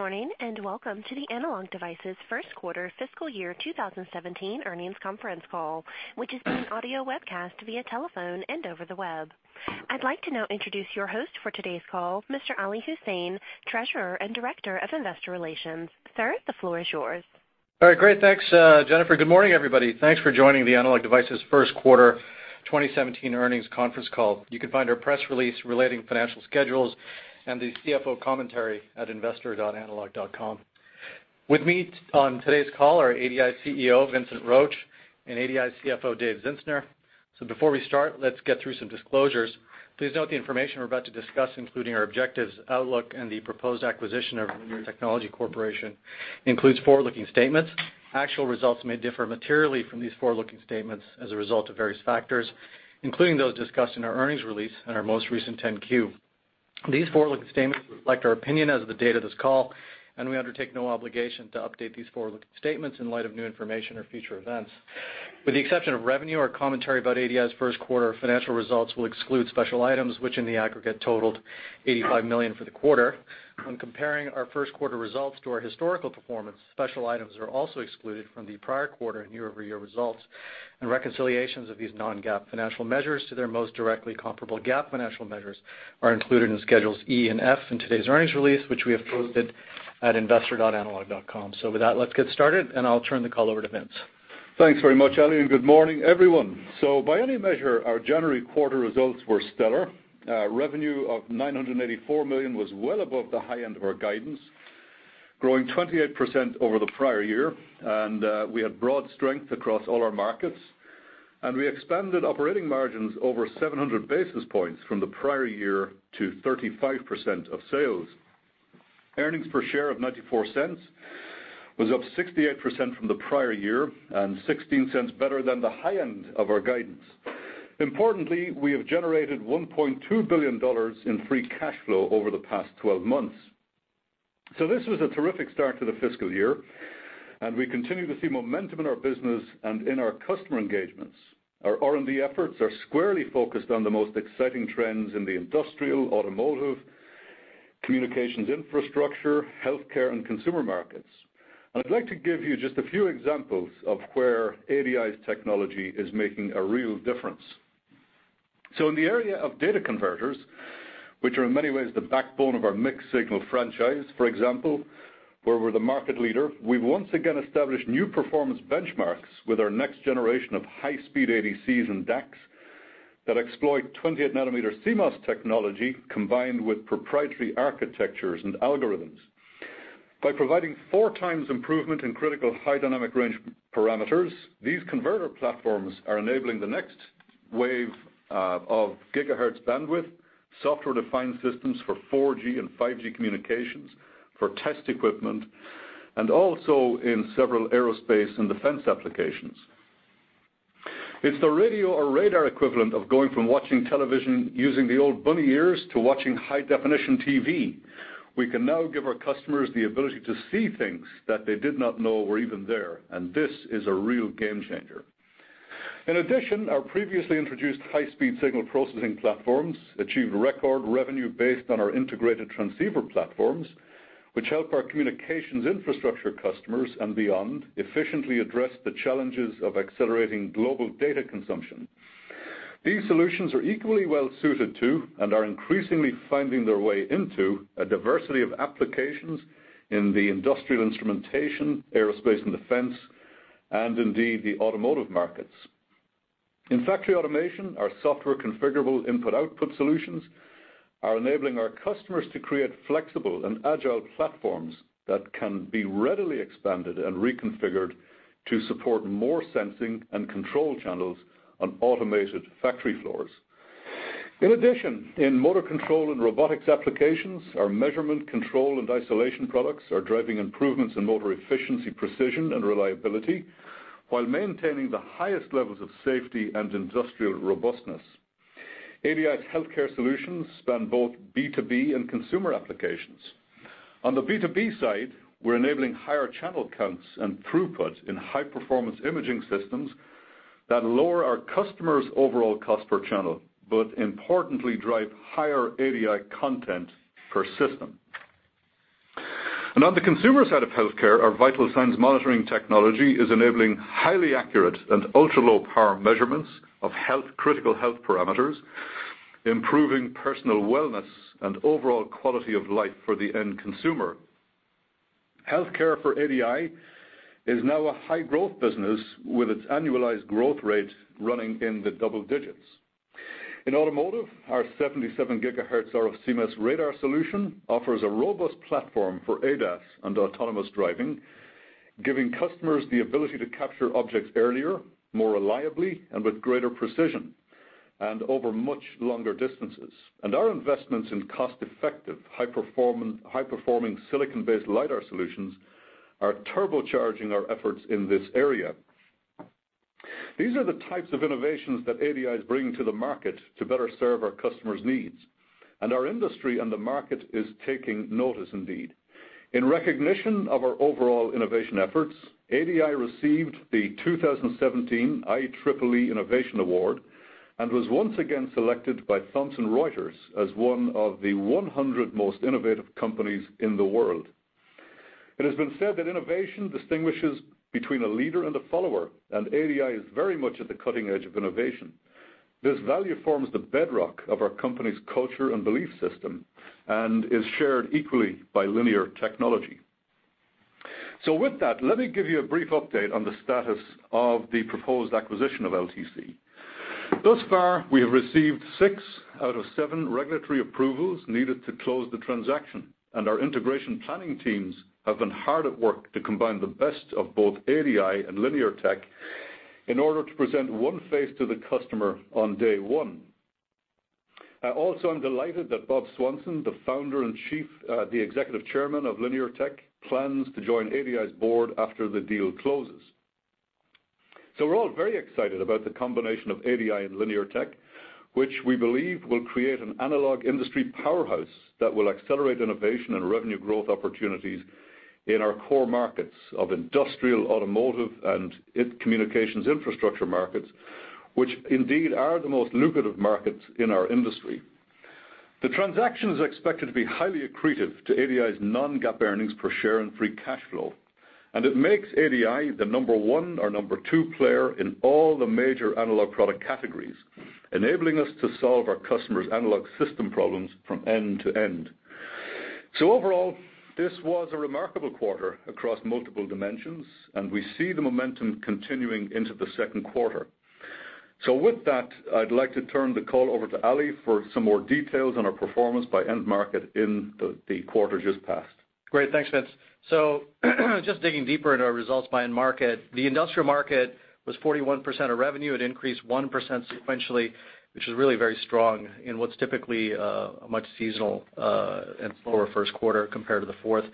Welcome to the Analog Devices first quarter fiscal year 2017 earnings conference call, which is being audio webcast via telephone and over the web. I'd like to now introduce your host for today's call, Mr. Ali Husain, Treasurer and Director of Investor Relations. Sir, the floor is yours. All right, great. Thanks, Jennifer. Good morning, everybody. Thanks for joining the Analog Devices first quarter 2017 earnings conference call. You can find our press release relating financial schedules and the CFO commentary at investor.analog.com. With me on today's call are ADI CEO, Vincent Roche, and ADI CFO Dave Zinsner. Before we start, let's get through some disclosures. Please note the information we're about to discuss, including our objectives, outlook, and the proposed acquisition of Linear Technology Corporation, includes forward-looking statements. Actual results may differ materially from these forward-looking statements as a result of various factors, including those discussed in our earnings release and our most recent 10-Q. These forward-looking statements reflect our opinion as of the date of this call, we undertake no obligation to update these forward-looking statements in light of new information or future events. With the exception of revenue or commentary about ADI's first quarter financial results, we'll exclude special items which in the aggregate totaled $85 million for the quarter. When comparing our first quarter results to our historical performance, special items are also excluded from the prior quarter and year-over-year results, reconciliations of these non-GAAP financial measures to their most directly comparable GAAP financial measures are included in Schedules E and F in today's earnings release, which we have posted at investor.analog.com. With that, let's get started, I'll turn the call over to Vince. Thanks very much, Ali. Good morning, everyone. By any measure, our January quarter results were stellar. Revenue of $984 million was well above the high end of our guidance, growing 28% over the prior year, we had broad strength across all our markets. We expanded operating margins over 700 basis points from the prior year to 35% of sales. Earnings per share of $0.94 was up 68% from the prior year and $0.16 better than the high end of our guidance. Importantly, we have generated $1.2 billion in free cash flow over the past 12 months. This was a terrific start to the fiscal year, we continue to see momentum in our business and in our customer engagements. Our R&D efforts are squarely focused on the most exciting trends in the industrial, automotive, communications infrastructure, healthcare, and consumer markets. I'd like to give you just a few examples of where ADI's technology is making a real difference. In the area of data converters, which are in many ways the backbone of our mixed-signal franchise, for example, where we're the market leader, we've once again established new performance benchmarks with our next generation of high-speed ADCs and DACs that exploit 28-nanometer CMOS technology, combined with proprietary architectures and algorithms. By providing 4 times improvement in critical high dynamic range parameters, these converter platforms are enabling the next wave of gigahertz bandwidth, software-defined systems for 4G and 5G communications, for test equipment, and also in several aerospace and defense applications. It's the radio or radar equivalent of going from watching television using the old bunny ears to watching high-definition TV. We can now give our customers the ability to see things that they did not know were even there, and this is a real game changer. In addition, our previously introduced high-speed signal processing platforms achieved record revenue based on our integrated transceiver platforms, which help our communications infrastructure customers and beyond efficiently address the challenges of accelerating global data consumption. These solutions are equally well suited to and are increasingly finding their way into a diversity of applications in the industrial instrumentation, aerospace and defense, and indeed, the automotive markets. In factory automation, our software configurable input-output solutions are enabling our customers to create flexible and agile platforms that can be readily expanded and reconfigured to support more sensing and control channels on automated factory floors. In addition, in motor control and robotics applications, our measurement control and isolation products are driving improvements in motor efficiency, precision, and reliability while maintaining the highest levels of safety and industrial robustness. ADI's healthcare solutions span both B2B and consumer applications. On the B2B side, we're enabling higher channel counts and throughput in high-performance imaging systems that lower our customers' overall cost per channel, but importantly, drive higher ADI content per system. On the consumer side of healthcare, our vital signs monitoring technology is enabling highly accurate and ultra-low power measurements of critical health parameters, improving personal wellness and overall quality of life for the end consumer. Healthcare for ADI is now a high-growth business with its annualized growth rate running in the double digits. In automotive, our 77 gigahertz RFCMOS radar solution offers a robust platform for ADAS and autonomous driving, giving customers the ability to capture objects earlier, more reliably, and with greater precision, and over much longer distances. Our investments in cost-effective, high-performing silicon-based LiDAR solutions are turbocharging our efforts in this area. These are the types of innovations that ADI is bringing to the market to better serve our customers' needs. Our industry and the market is taking notice indeed. In recognition of our overall innovation efforts, ADI received the 2017 IEEE Innovation Award and was once again selected by Thomson Reuters as one of the 100 most innovative companies in the world. It has been said that innovation distinguishes between a leader and a follower, and ADI is very much at the cutting edge of innovation. This value forms the bedrock of our company's culture and belief system, and is shared equally by Linear Technology. With that, let me give you a brief update on the status of the proposed acquisition of LTC. Thus far, we have received six out of seven regulatory approvals needed to close the transaction, and our integration planning teams have been hard at work to combine the best of both ADI and Linear Tech in order to present one face to the customer on day one. Also, I'm delighted that Robert Swanson, the founder and executive chairman of Linear Tech, plans to join ADI's board after the deal closes. We're all very excited about the combination of ADI and Linear Tech, which we believe will create an analog industry powerhouse that will accelerate innovation and revenue growth opportunities in our core markets of industrial, automotive, and communications infrastructure markets, which indeed are the most lucrative markets in our industry. The transaction is expected to be highly accretive to ADI's non-GAAP earnings per share and free cash flow, and it makes ADI the number one or number two player in all the major analog product categories, enabling us to solve our customers' analog system problems from end to end. Overall, this was a remarkable quarter across multiple dimensions, and we see the momentum continuing into the second quarter. With that, I'd like to turn the call over to Ali for some more details on our performance by end market in the quarter just passed. Great. Thanks, Vince. Just digging deeper into our results by end market, the industrial market was 41% of revenue. It increased 1% sequentially, which is really very strong in what's typically a much seasonal, and slower first quarter compared to the fourth.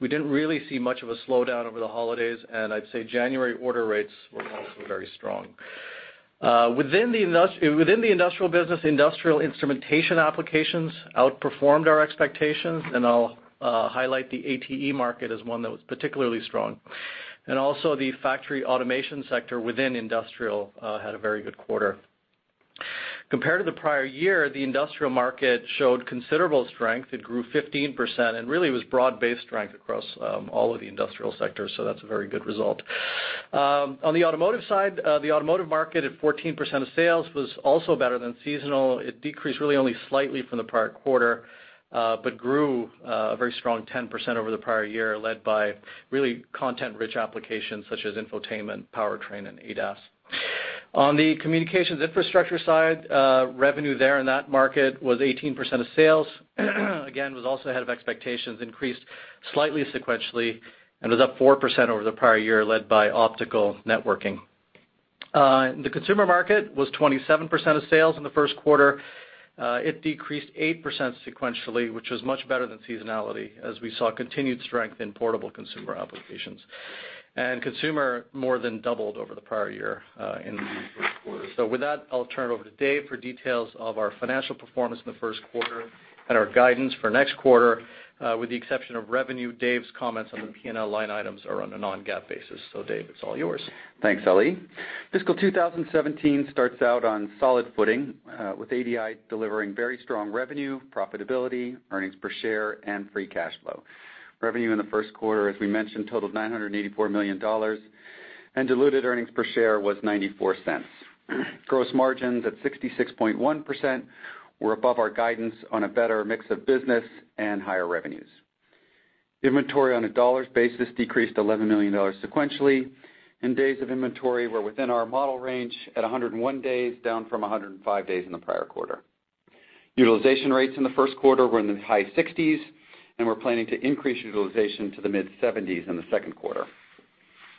We didn't really see much of a slowdown over the holidays, and I'd say January order rates were also very strong. Within the industrial business, industrial instrumentation applications outperformed our expectations, and I'll highlight the ATE market as one that was particularly strong. Also, the factory automation sector within industrial, had a very good quarter. Compared to the prior year, the industrial market showed considerable strength. It grew 15%, and really it was broad-based strength across all of the industrial sectors, that's a very good result. On the automotive side, the automotive market at 14% of sales was also better than seasonal. It decreased really only slightly from the prior quarter, grew a very strong 10% over the prior year, led by really content-rich applications such as infotainment, powertrain, and ADAS. On the communications infrastructure side, revenue there in that market was 18% of sales. Again, was also ahead of expectations, increased slightly sequentially and was up 4% over the prior year, led by optical networking. The consumer market was 27% of sales in the first quarter. It decreased 8% sequentially, which was much better than seasonality as we saw continued strength in portable consumer applications. Consumer more than doubled over the prior year, in the first quarter. With that, I'll turn it over to Dave for details of our financial performance in the first quarter and our guidance for next quarter. With the exception of revenue, Dave's comments on the P&L line items are on a non-GAAP basis. Dave, it's all yours. Thanks, Ali. Fiscal 2017 starts out on solid footing, with ADI delivering very strong revenue, profitability, earnings per share, and free cash flow. Revenue in the first quarter, as we mentioned, totaled $984 million, and diluted earnings per share was $0.94. Gross margins at 66.1% were above our guidance on a better mix of business and higher revenues. Inventory on a dollars basis decreased $11 million sequentially, and days of inventory were within our model range at 101 days, down from 105 days in the prior quarter. Utilization rates in the first quarter were in the high 60s, and we're planning to increase utilization to the mid-70s in the second quarter.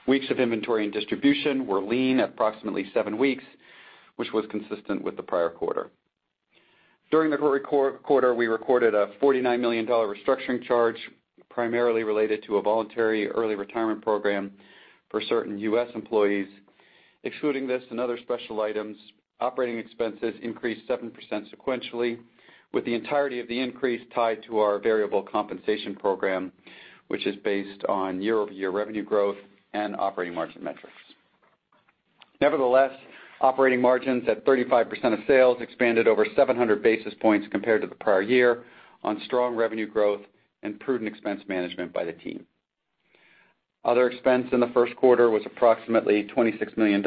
Weeks of inventory and distribution were lean, approximately seven weeks, which was consistent with the prior quarter. During the quarter, we recorded a $49 million restructuring charge, primarily related to a voluntary early retirement program for certain U.S. employees. Excluding this and other special items, operating expenses increased 7% sequentially, with the entirety of the increase tied to our variable compensation program, which is based on year-over-year revenue growth and operating margin metrics. Nevertheless, operating margins at 35% of sales expanded over 700 basis points compared to the prior year on strong revenue growth and prudent expense management by the team. Other expense in the first quarter was approximately $26 million,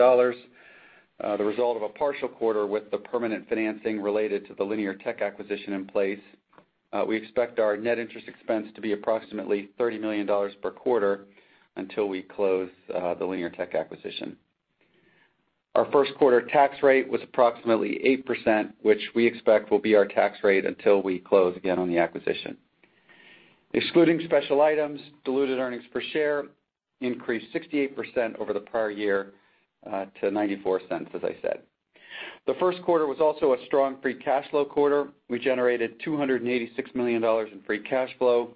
the result of a partial quarter with the permanent financing related to the Linear Tech acquisition in place. We expect our net interest expense to be approximately $30 million per quarter until we close the Linear Tech acquisition. Our first quarter tax rate was approximately 8%, which we expect will be our tax rate until we close again on the acquisition. Excluding special items, diluted earnings per share increased 68% over the prior year to $0.94, as I said. The first quarter was also a strong free cash flow quarter. We generated $286 million in free cash flow,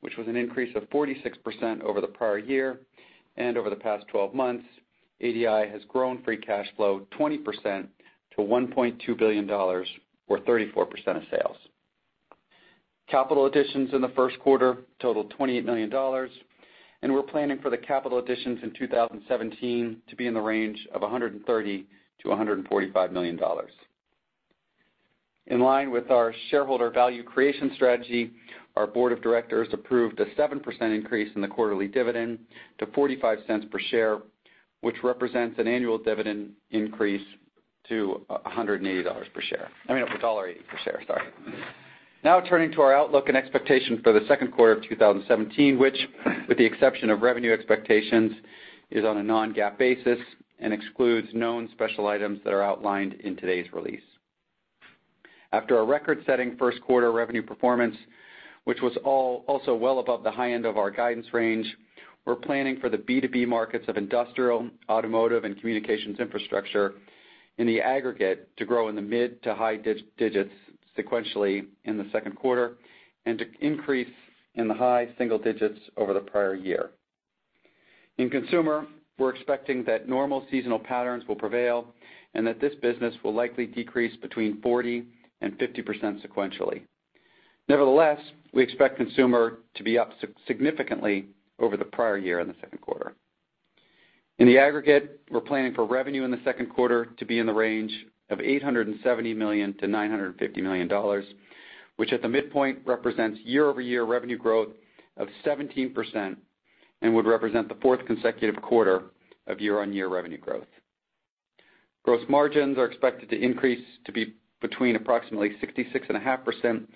which was an increase of 46% over the prior year. Over the past 12 months, ADI has grown free cash flow 20% to $1.2 billion or 34% of sales. Capital additions in the first quarter totaled $28 million, and we're planning for the capital additions in 2017 to be in the range of $130 million-$145 million. In line with our shareholder value creation strategy, our board of directors approved a 7% increase in the quarterly dividend to $0.45 per share, which represents an annual dividend increase to $180 per share. I mean, $1.80 per share. Sorry. Now turning to our outlook and expectation for the second quarter of 2017, which, with the exception of revenue expectations, is on a non-GAAP basis and excludes known special items that are outlined in today's release. After a record-setting first quarter revenue performance, which was also well above the high end of our guidance range, we're planning for the B2B markets of industrial, automotive, and communications infrastructure in the aggregate to grow in the mid to high digits sequentially in the second quarter, and to increase in the high single digits over the prior year. In consumer, we're expecting that normal seasonal patterns will prevail and that this business will likely decrease between 40% and 50% sequentially. Nevertheless, we expect consumer to be up significantly over the prior year in the second quarter. In the aggregate, we're planning for revenue in the second quarter to be in the range of $870 million-$950 million, which at the midpoint represents year-over-year revenue growth of 17% and would represent the fourth consecutive quarter of year-on-year revenue growth. Gross margins are expected to increase to be between approximately 66.5% and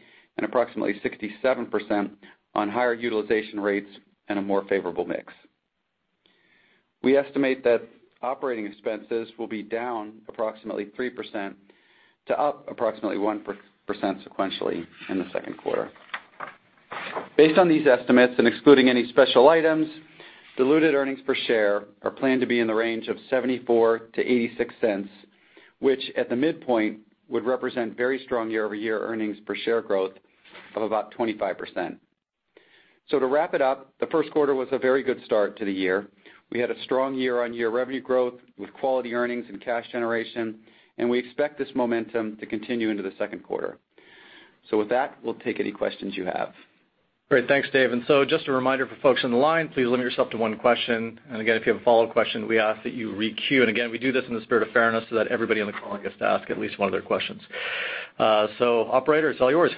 approximately 67% on higher utilization rates and a more favorable mix. We estimate that operating expenses will be down approximately 3% to up approximately 1% sequentially in the second quarter. Based on these estimates, and excluding any special items, diluted earnings per share are planned to be in the range of $0.74-$0.86, which at the midpoint would represent very strong year-over-year earnings per share growth of about 25%. So to wrap it up, the first quarter was a very good start to the year. We had a strong year-on-year revenue growth with quality earnings and cash generation, and we expect this momentum to continue into the second quarter. So with that, we'll take any questions you have. Great. Thanks, Dave. Just a reminder for folks on the line, please limit yourself to one question. Again, if you have a follow-up question, we ask that you re-queue. Again, we do this in the spirit of fairness so that everybody on the call gets to ask at least one of their questions. So operator, it's all yours.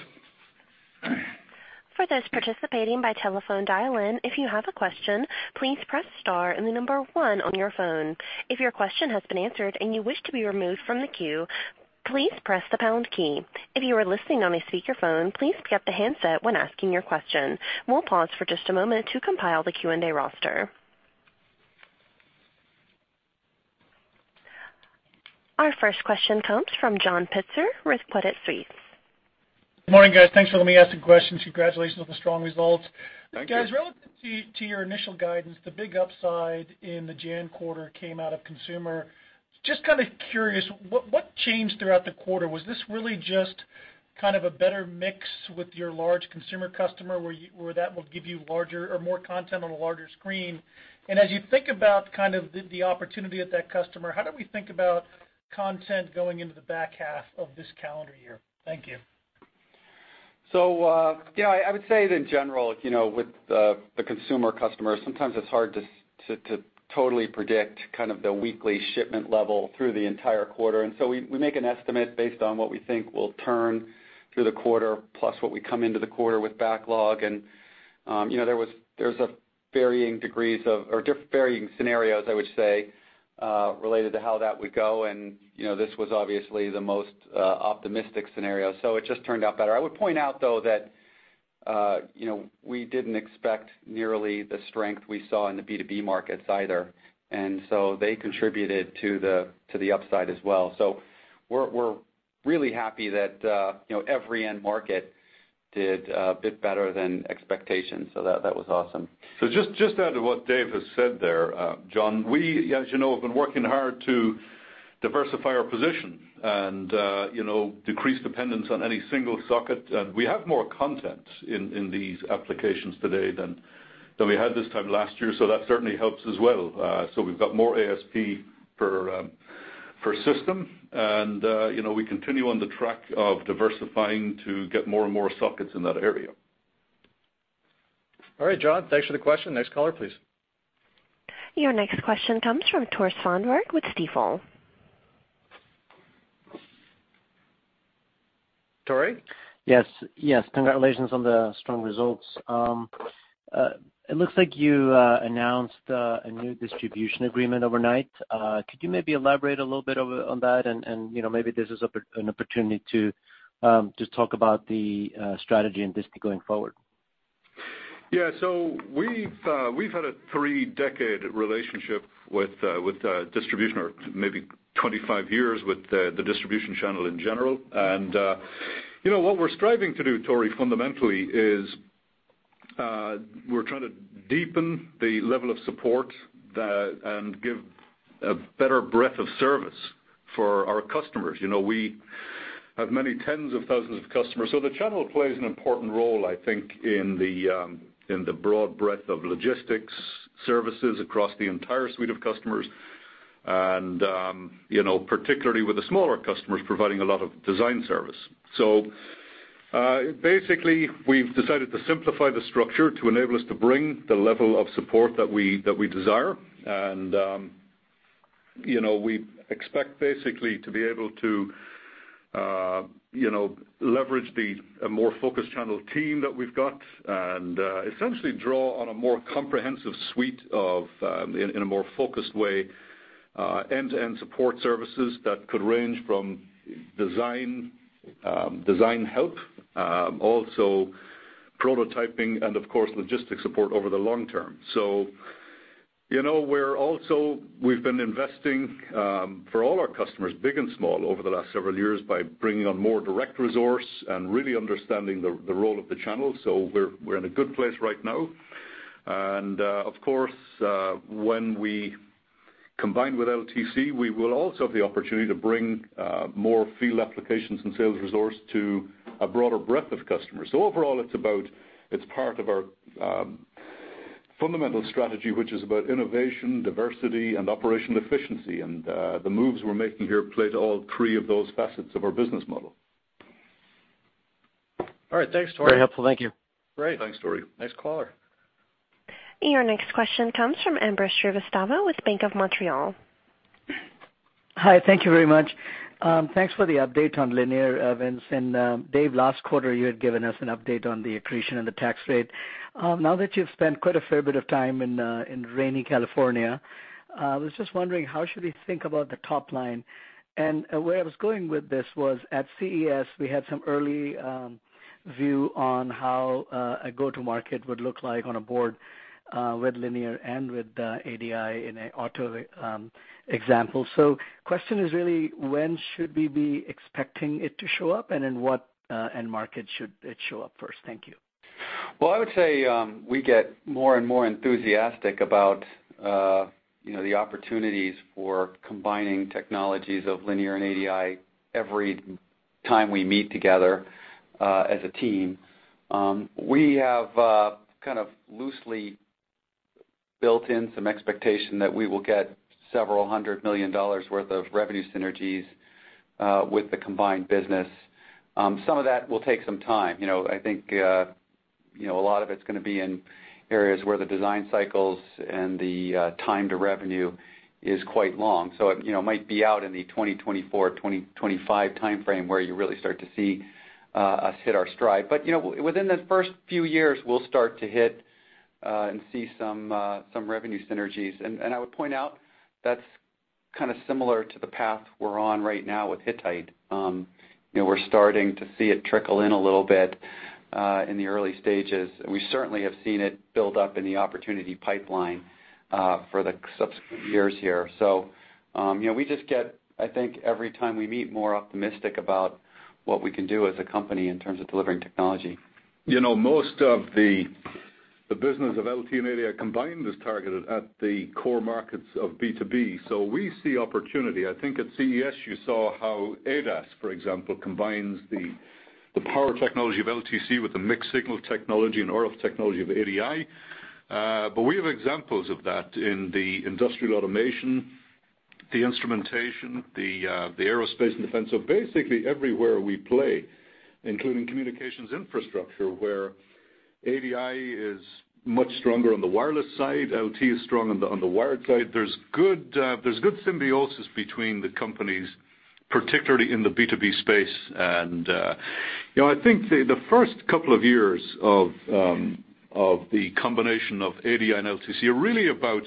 For those participating by telephone dial-in, if you have a question, please press star and the number 1 on your phone. If your question has been answered and you wish to be removed from the queue, please press the pound key. If you are listening on a speakerphone, please pick up the handset when asking your question. We'll pause for just a moment to compile the Q&A roster. Our first question comes from John Pitzer with Credit Suisse. Good morning, guys. Thanks for letting me ask the question. Congratulations on the strong results. Thank you. Guys, relative to your initial guidance, the big upside in the January quarter came out of consumer. Just kind of curious, what changed throughout the quarter? Was this really just kind of a better mix with your large consumer customer, where that will give you larger or more content on a larger screen? As you think about kind of the opportunity at that customer, how do we think about content going into the back half of this calendar year? Thank you. Yeah, I would say in general, with the consumer customers, sometimes it's hard to totally predict kind of the weekly shipment level through the entire quarter. We make an estimate based on what we think will turn through the quarter, plus what we come into the quarter with backlog. There's varying scenarios, I would say, related to how that would go. This was obviously the most optimistic scenario. It just turned out better. I would point out, though, that we didn't expect nearly the strength we saw in the B2B markets either, they contributed to the upside as well. We're really happy that every end market did a bit better than expectations. That was awesome. Just to add to what Dave has said there, John, we, as you know, have been working hard to diversify our position and decrease dependence on any single socket. We have more content in these applications today than we had this time last year, so that certainly helps as well. We've got more ASP per system, and we continue on the track of diversifying to get more and more sockets in that area. All right, John, thanks for the question. Next caller, please. Your next question comes from Tore Svanberg with Stifel. Tore? Yes. Congratulations on the strong results. It looks like you announced a new distribution agreement overnight. Could you maybe elaborate a little bit on that? Maybe this is an opportunity to just talk about the strategy in this going forward. Yeah. We've had a three-decade relationship with distribution, or maybe 25 years with the distribution channel in general. What we're striving to do, Tore, fundamentally is, we're trying to deepen the level of support and give a better breadth of service for our customers. We have many tens of thousands of customers. The channel plays an important role, I think, in the broad breadth of logistics services across the entire suite of customers, and particularly with the smaller customers providing a lot of design service. Basically, we've decided to simplify the structure to enable us to bring the level of support that we desire. We expect basically to be able to leverage the more focused channel team that we've got, and essentially draw on a more comprehensive suite in a more focused way, end-to-end support services that could range from design help, also prototyping, and of course, logistics support over the long term. We've been investing for all our customers, big and small, over the last several years by bringing on more direct resource and really understanding the role of the channel. We're in a good place right now. Of course, when we combine with LTC, we will also have the opportunity to bring more field applications and sales resource to a broader breadth of customers. Overall, it's part of our fundamental strategy, which is about innovation, diversity, and operational efficiency. The moves we're making here play to all three of those facets of our business model. All right. Thanks, Tore. Very helpful. Thank you. Great. Thanks, Tore. Next caller. Your next question comes from Ambrish Srivastava with Bank of Montreal. Hi. Thank you very much. Thanks for the update on Linear, Vince and Dave, last quarter, you had given us an update on the accretion and the tax rate. Now that you've spent quite a fair bit of time in rainy California, I was just wondering, how should we think about the top line? Where I was going with this was, at CES, we had some early view on how a go-to-market would look like on a board with Linear and with ADI in an auto example. Question is really, when should we be expecting it to show up, and in what end market should it show up first? Thank you. Well, I would say we get more and more enthusiastic about the opportunities for combining technologies of Linear and ADI every time we meet together as a team. We have loosely built in some expectation that we will get several hundred million dollars worth of revenue synergies with the combined business. Some of that will take some time. I think a lot of it's going to be in areas where the design cycles and the time to revenue is quite long. It might be out in the 2024, 2025 timeframe, where you really start to see us hit our stride. But within the first few years, we'll start to hit and see some revenue synergies. I would point out, that's similar to the path we're on right now with Hittite. We're starting to see it trickle in a little bit in the early stages, we certainly have seen it build up in the opportunity pipeline for the subsequent years here. We just get, I think every time we meet, more optimistic about what we can do as a company in terms of delivering technology. We see opportunity. I think at CES, you saw how ADAS, for example, combines the power technology of LTC with the mixed signal technology and RF technology of ADI. We have examples of that in the industrial automation, the instrumentation, the aerospace and defense. Basically everywhere we play, including communications infrastructure, where ADI is much stronger on the wireless side, LT is strong on the wired side. There's good symbiosis between the companies, particularly in the B2B space. I think the first couple of years of the combination of ADI and LTC are really about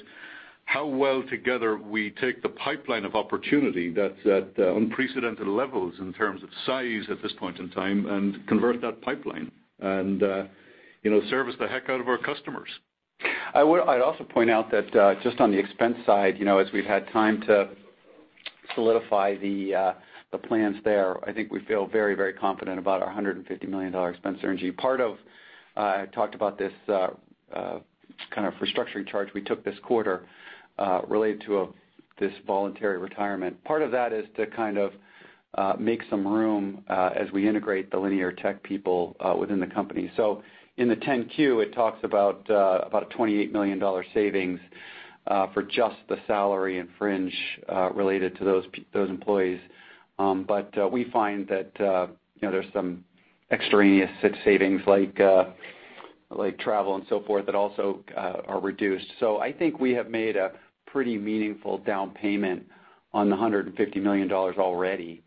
how well together we take the pipeline of opportunity that's at unprecedented levels in terms of size at this point in time, and convert that pipeline, and service the heck out of our customers. I'd also point out that just on the expense side, as we've had time to solidify the plans there, I think we feel very, very confident about our $150 million expense synergy. I talked about this restructuring charge we took this quarter related to this voluntary retirement. Part of that is to make some room as we integrate the Linear Tech people within the company. In the 10-Q, it talks about a $28 million savings for just the salary and fringe related to those employees. We find that there's some extraneous savings like travel and so forth that also are reduced. I think we have made a pretty meaningful down payment on the $150 million already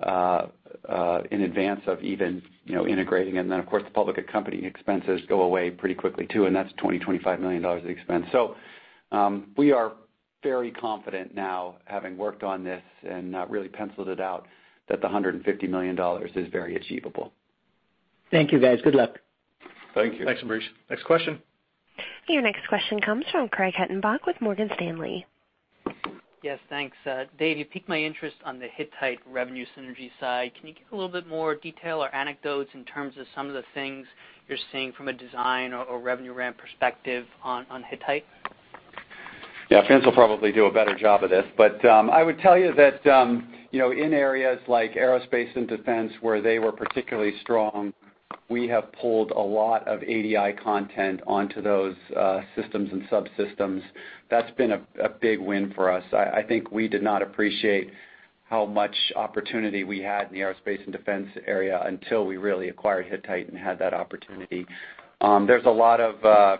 in advance of even integrating. Of course, the public accompanying expenses go away pretty quickly too, and that's $20 million to $25 million of expense. We are very confident now, having worked on this and really penciled it out, that the $150 million is very achievable. Thank you, guys. Good luck. Thank you. Thanks, Ambrish. Next question. Your next question comes from Craig Hettenbach with Morgan Stanley. Yes, thanks. Dave, you piqued my interest on the Hittite revenue synergy side. Can you give a little bit more detail or anecdotes in terms of some of the things you're seeing from a design or revenue RAM perspective on Hittite? Yeah. Vince will probably do a better job of this. I would tell you that in areas like Aerospace and Defense where they were particularly strong, we have pulled a lot of ADI content onto those systems and subsystems. That's been a big win for us. I think we did not appreciate how much opportunity we had in the Aerospace and Defense area until we really acquired Hittite and had that opportunity. There's a lot of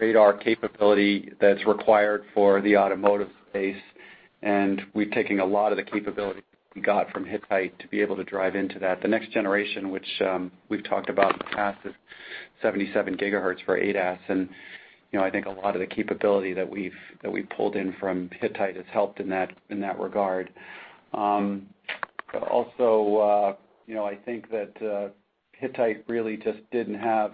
radar capability that's required for the automotive space, and we're taking a lot of the capability we got from Hittite to be able to drive into that. The next generation, which we've talked about in the past, is 77 gigahertz for ADAS, and I think a lot of the capability that we've pulled in from Hittite has helped in that regard. Also, I think that Hittite really just didn't have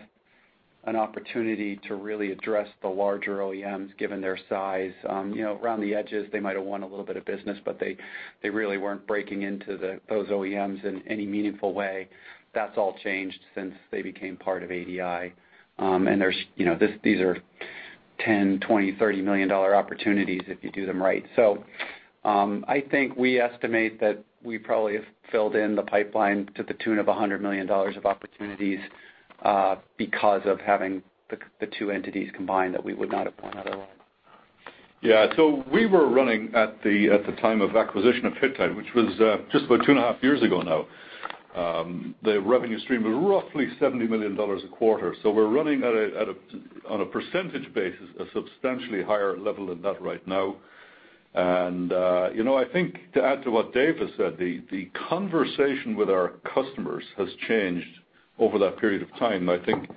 an opportunity to really address the larger OEMs, given their size. Around the edges, they might've won a little bit of business, but they really weren't breaking into those OEMs in any meaningful way. That's all changed since they became part of ADI. These are $10, $20, $30 million opportunities if you do them right. I think we estimate that we probably have filled in the pipeline to the tune of $100 million of opportunities because of having the two entities combined that we would not have won otherwise. Yeah. We were running, at the time of acquisition of Hittite, which was just about 2.5 years ago now, the revenue stream of roughly $70 million a quarter. We're running, on a percentage basis, a substantially higher level than that right now. I think to add to what Dave has said, the conversation with our customers has changed over that period of time. I think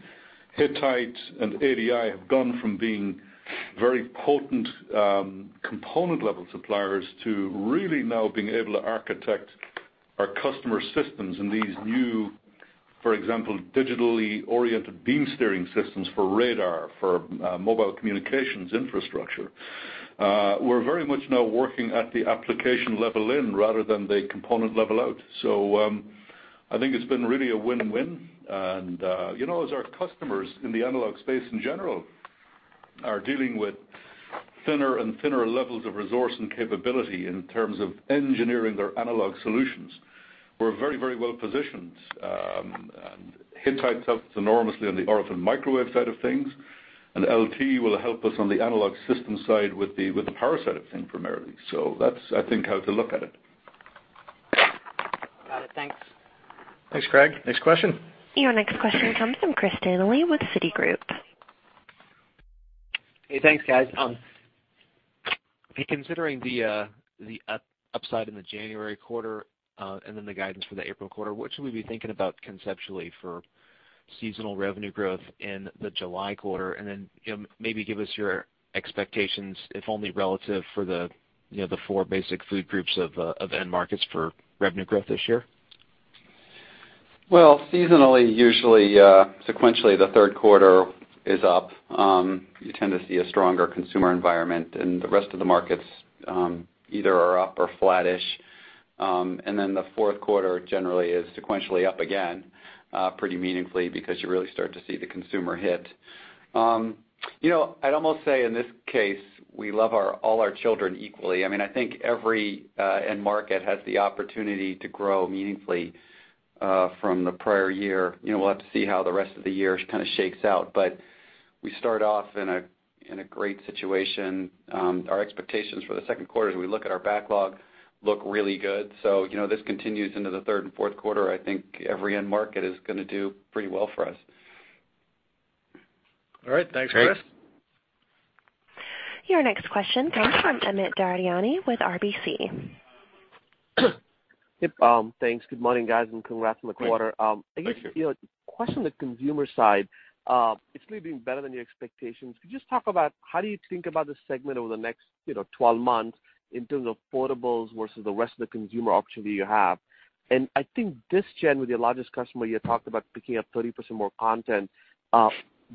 Hittite and ADI have gone from being very potent component-level suppliers to really now being able to architect our customer systems in these new, for example, digitally oriented beam steering systems for radar, for mobile communications infrastructure. We're very much now working at the application level in, rather than the component level out. I think it's been really a win-win. As our customers in the analog space in general are dealing with thinner and thinner levels of resource and capability in terms of engineering their analog solutions, we're very, very well positioned. Hittite helps enormously on the orphan microwave side of things, and LT will help us on the analog system side with the power side of things primarily. That's, I think, how to look at it. Got it. Thanks. Thanks, Craig. Next question. Your next question comes from Christopher Danely with Citigroup. Hey, thanks, guys. In considering the upside in the January quarter, and then the guidance for the April quarter, what should we be thinking about conceptually for seasonal revenue growth in the July quarter? Maybe give us your expectations, if only relative for the four basic food groups of end markets for revenue growth this year. Seasonally, usually, sequentially, the third quarter is up. You tend to see a stronger consumer environment and the rest of the markets either are up or flat-ish. The fourth quarter generally is sequentially up again pretty meaningfully because you really start to see the consumer hit. I'd almost say in this case, we love all our children equally. I think every end market has the opportunity to grow meaningfully from the prior year. We'll have to see how the rest of the year kind of shakes out. We start off in a great situation. Our expectations for the second quarter, as we look at our backlog, look really good. This continues into the third and fourth quarter, I think every end market is going to do pretty well for us. All right. Thanks, Chris. Your next question comes from Amit Daryanani with RBC. Yep. Thanks. Good morning, guys, congrats on the quarter. Thank you. A question on the consumer side. It's really been better than your expectations. Could you just talk about how do you think about the segment over the next 12 months in terms of portables versus the rest of the consumer options that you have? I think this gen with your largest customer, you had talked about picking up 30% more content. Do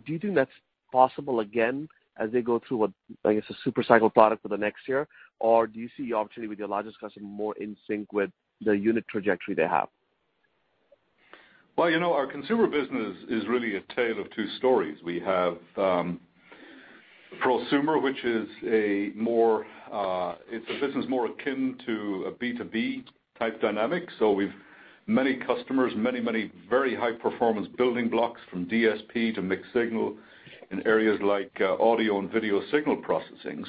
you think that's possible again as they go through, I guess, a super cycle product for the next year? Or do you see the opportunity with your largest customer more in sync with the unit trajectory they have? Well, our consumer business is really a tale of two stories. We have prosumer, which is a business more akin to a B2B type dynamic. We've many customers, many very high performance building blocks from DSP to mixed signal in areas like audio and video signal processing.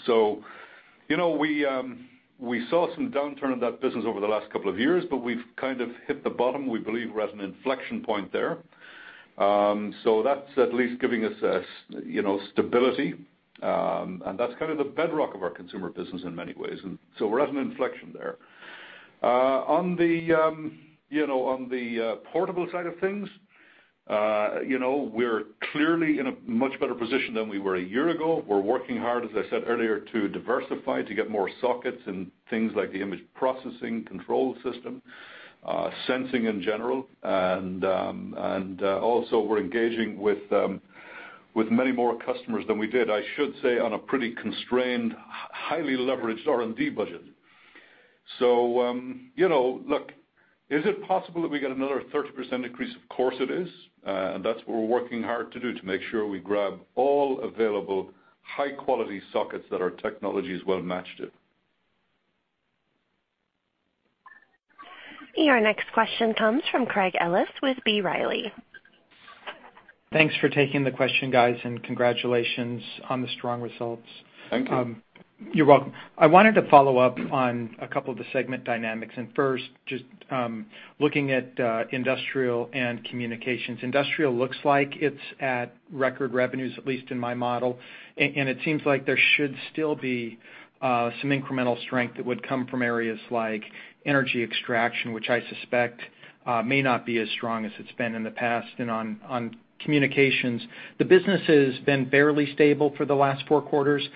We saw some downturn in that business over the last couple of years, but we've kind of hit the bottom, we believe, we're at an inflection point there. That's at least giving us stability. That's kind of the bedrock of our consumer business in many ways. We're at an inflection there. On the portable side of things, we're clearly in a much better position than we were a year ago. We're working hard, as I said earlier, to diversify, to get more sockets in things like the image processing control system, sensing in general. Also we're engaging with many more customers than we did, I should say, on a pretty constrained, highly leveraged R&D budget. Look, is it possible that we get another 30% increase? Of course it is. That's what we're working hard to do, to make sure we grab all available high-quality sockets that our technology is well matched in. Your next question comes from Craig Ellis with B. Riley. Thanks for taking the question, guys, congratulations on the strong results. Thank you. You're welcome. I wanted to follow up on a couple of the segment dynamics, first, just looking at industrial and communications. Industrial looks like it's at record revenues, at least in my model. It seems like there should still be some incremental strength that would come from areas like energy extraction, which I suspect may not be as strong as it's been in the past. On communications, the business has been fairly stable for the last four quarters.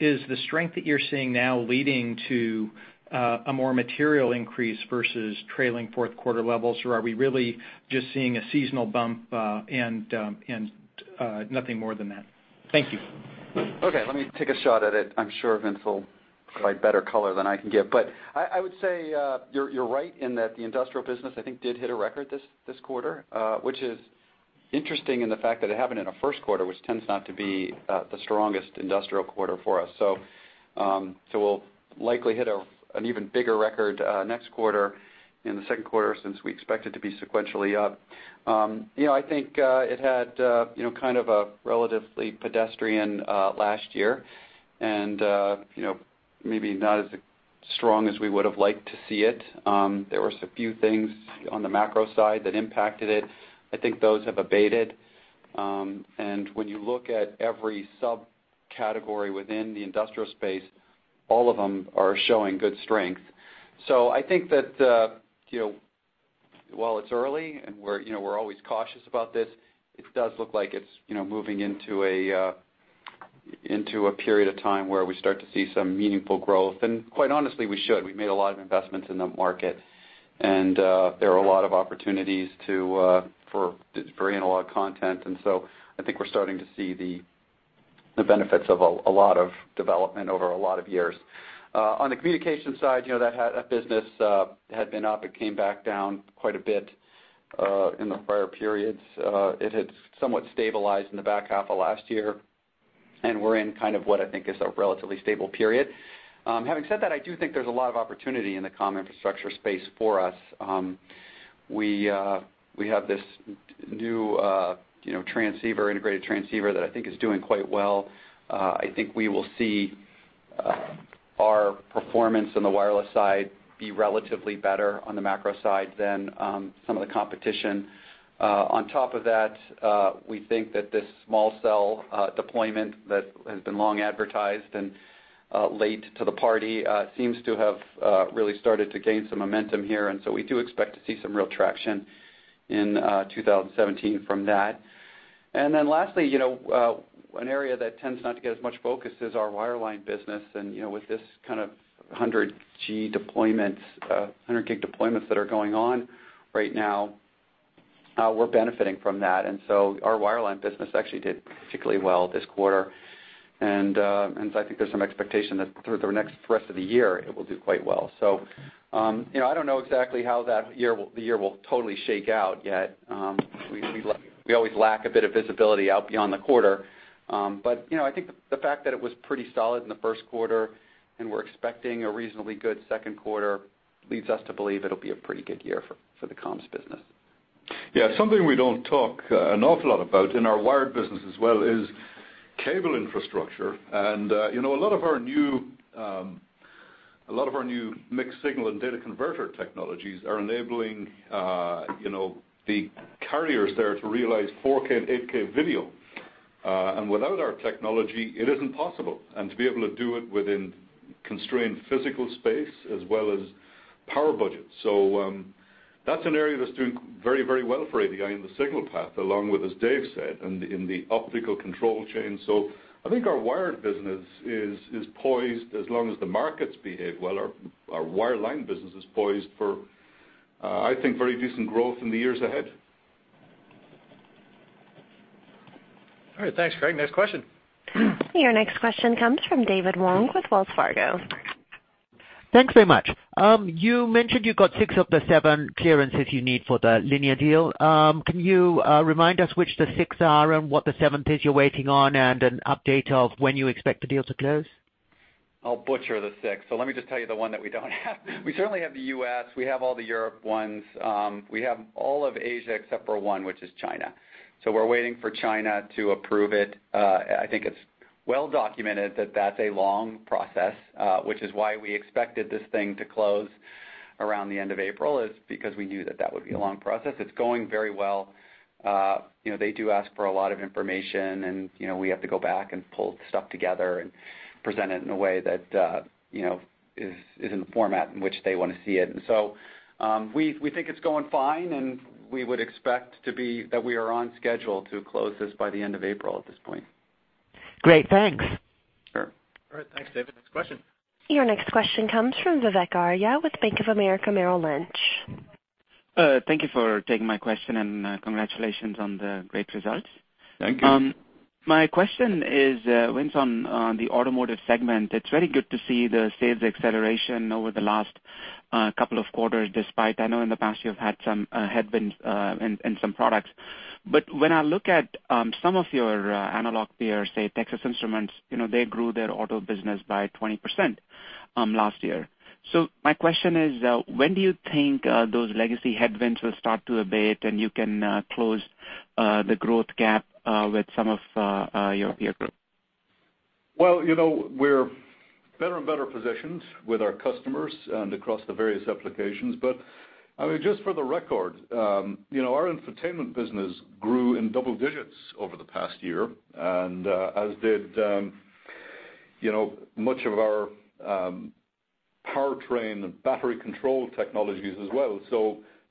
Is the strength that you're seeing now leading to a more material increase versus trailing fourth quarter levels, or are we really just seeing a seasonal bump and nothing more than that? Thank you. Let me take a shot at it. I'm sure Vincent will provide better color than I can give. I would say, you're right in that the industrial business, I think, did hit a record this quarter, which is interesting in the fact that it happened in our first quarter, which tends not to be the strongest industrial quarter for us. We'll likely hit an even bigger record next quarter, in the second quarter, since we expect it to be sequentially up. I think it had kind of a relatively pedestrian last year and maybe not as strong as we would've liked to see it. There was a few things on the macro side that impacted it. I think those have abated. When you look at every subcategory within the industrial space, all of them are showing good strength. I think that, while it's early and we're always cautious about this, it does look like it's moving into a period of time where we start to see some meaningful growth. Quite honestly, we should. We've made a lot of investments in the market, and there are a lot of opportunities to bring in a lot of content. I think we're starting to see the benefits of a lot of development over a lot of years. On the communication side, that business had been up. It came back down quite a bit, in the prior periods. It had somewhat stabilized in the back half of last year, and we're in kind of what I think is a relatively stable period. Having said that, I do think there's a lot of opportunity in the comm infrastructure space for us. We have this new integrated transceiver that I think is doing quite well. I think we will see our performance on the wireless side be relatively better on the macro side than some of the competition. On top of that, we think that this small cell deployment that has been long advertised and late to the party, seems to have really started to gain some momentum here. We do expect to see some real traction in 2017 from that. Lastly, an area that tends not to get as much focus is our wireline business. With this kind of 100G deployments, 100 gig deployments that are going on right now, we're benefiting from that. Our wireline business actually did particularly well this quarter. I think there's some expectation that through the next rest of the year, it will do quite well. I don't know exactly how the year will totally shake out yet. We always lack a bit of visibility out beyond the quarter. I think the fact that it was pretty solid in the first quarter and we're expecting a reasonably good second quarter leads us to believe it'll be a pretty good year for the comms business. Something we don't talk an awful lot about in our wired business as well is cable infrastructure. A lot of our new mixed signal and data converter technologies are enabling the carriers there to realize 4K and 8K video. Without our technology, it isn't possible, and to be able to do it within constrained physical space as well as power budgets. That's an area that's doing very well for ADI in the signal path, along with, as Dave said, in the optical control chain. I think our wired business is poised, as long as the markets behave well, our wireline business is poised for, I think, very decent growth in the years ahead. Thanks, Craig. Next question. Your next question comes from David Wong with Wells Fargo. Thanks very much. You mentioned you got six of the seven clearances you need for the Linear deal. Can you remind us which the six are and what the seven is you're waiting on, and an update of when you expect the deal to close? I'll butcher the six, let me just tell you the one that we don't have. We certainly have the U.S., we have all the Europe ones. We have all of Asia except for one, which is China. We're waiting for China to approve it. I think it's well documented that that's a long process, which is why we expected this thing to close around the end of April, is because we knew that that would be a long process. It's going very well. They do ask for a lot of information and we have to go back and pull stuff together and present it in a way that is in the format in which they want to see it. We think it's going fine, and we would expect that we are on schedule to close this by the end of April at this point. Great. Thanks. Sure. All right, thanks, David. Next question. Your next question comes from Vivek Arya with Bank of America Merrill Lynch. Thank you for taking my question. Congratulations on the great results. Thank you. My question is, Vince, on the automotive segment. It's very good to see the sales acceleration over the last couple of quarters, despite I know in the past you have had some headwinds in some products. When I look at some of your analog peers, say Texas Instruments, they grew their auto business by 20% last year. My question is, when do you think those legacy headwinds will start to abate and you can close the growth gap with some of your peer group? Well, we're better and better positioned with our customers and across the various applications. I mean, just for the record, our infotainment business grew in double digits over the past year, and as did much of our powertrain and battery control technologies as well.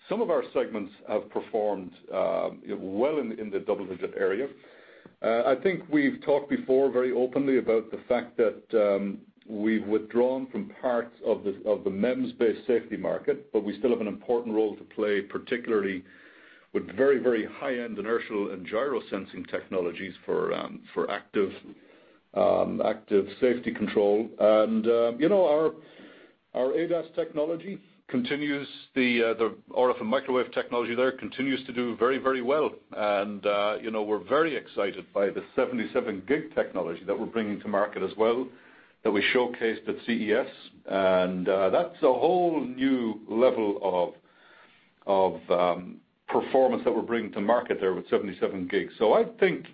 Some of our segments have performed well in the double-digit area. I think we've talked before very openly about the fact that we've withdrawn from parts of the MEMS-based safety market, but we still have an important role to play, particularly with very high-end inertial and gyro sensing technologies for active safety control. Our ADAS technology, the RF and microwave technology there, continues to do very well. We're very excited by the 77 gig technology that we're bringing to market as well, that we showcased at CES. That's a whole new level of performance that we're bringing to market there with 77 gigs. I think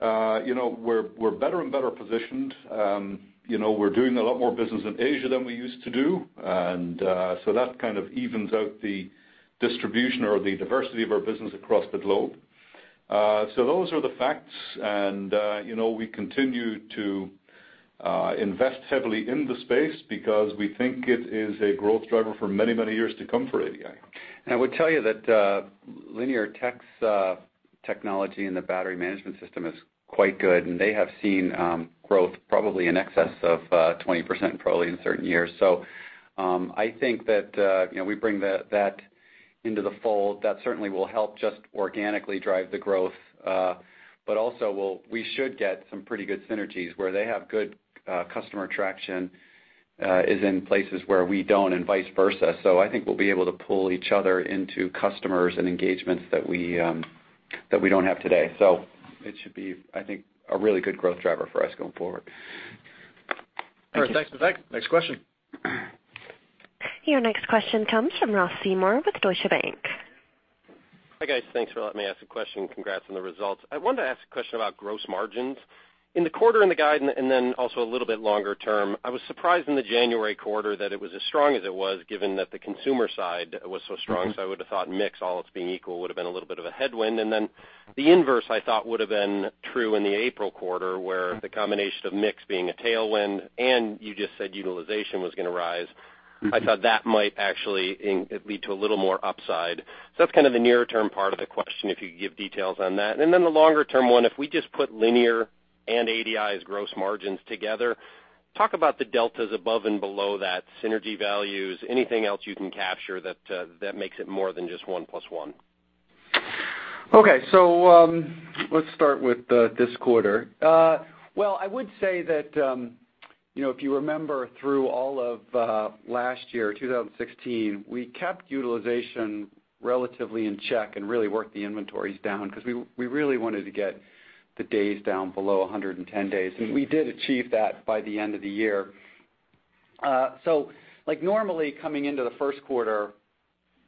we're better and better positioned. We're doing a lot more business in Asia than we used to do, that kind of evens out the distribution or the diversity of our business across the globe. Those are the facts, and we continue to invest heavily in the space because we think it is a growth driver for many years to come for ADI. I would tell you that Linear Tech's technology in the battery management system is quite good, and they have seen growth probably in excess of 20%, probably in certain years. I think that we bring that into the fold. That certainly will help just organically drive the growth. Also, we should get some pretty good synergies where they have good customer traction is in places where we don't, and vice versa. I think we'll be able to pull each other into customers and engagements that we don't have today. It should be, I think, a really good growth driver for us going forward. All right, thanks, Vivek. Next question. Your next question comes from Ross Seymore with Deutsche Bank. Hi, guys. Thanks for letting me ask a question. Congrats on the results. I wanted to ask a question about gross margins. In the quarter and the guide, also a little bit longer term, I was surprised in the January quarter that it was as strong as it was, given that the consumer side was so strong. I would've thought mix, all else being equal, would've been a little bit of a headwind. The inverse, I thought, would've been true in the April quarter, where the combination of mix being a tailwind and you just said utilization was going to rise. I thought that might actually lead to a little more upside. That's kind of the near-term part of the question, if you could give details on that. The longer-term one, if we just put Linear and ADI's gross margins together, talk about the deltas above and below that, synergy values, anything else you can capture that makes it more than just one plus one. Okay. Let's start with this quarter. Well, I would say that, if you remember through all of last year, 2016, we kept utilization relatively in check and really worked the inventories down because we really wanted to get the days down below 110 days. We did achieve that by the end of the year. Like normally coming into the first quarter,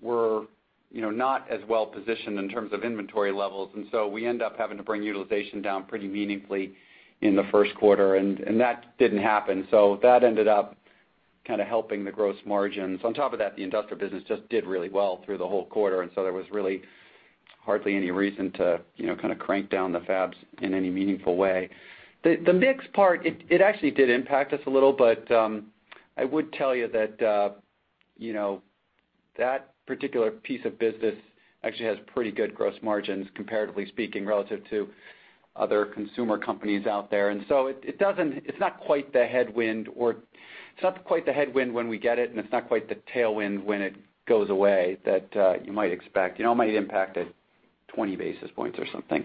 we're not as well positioned in terms of inventory levels, we end up having to bring utilization down pretty meaningfully in the first quarter, and that didn't happen. That ended up kind of helping the gross margins. On top of that, the industrial business just did really well through the whole quarter, there was really hardly any reason to kind of crank down the fabs in any meaningful way. The mix part, it actually did impact us a little, but I would tell you that that particular piece of business actually has pretty good gross margins, comparatively speaking, relative to other consumer companies out there. It's not quite the headwind when we get it, and it's not quite the tailwind when it goes away that you might expect. It might impact it 20 basis points or something.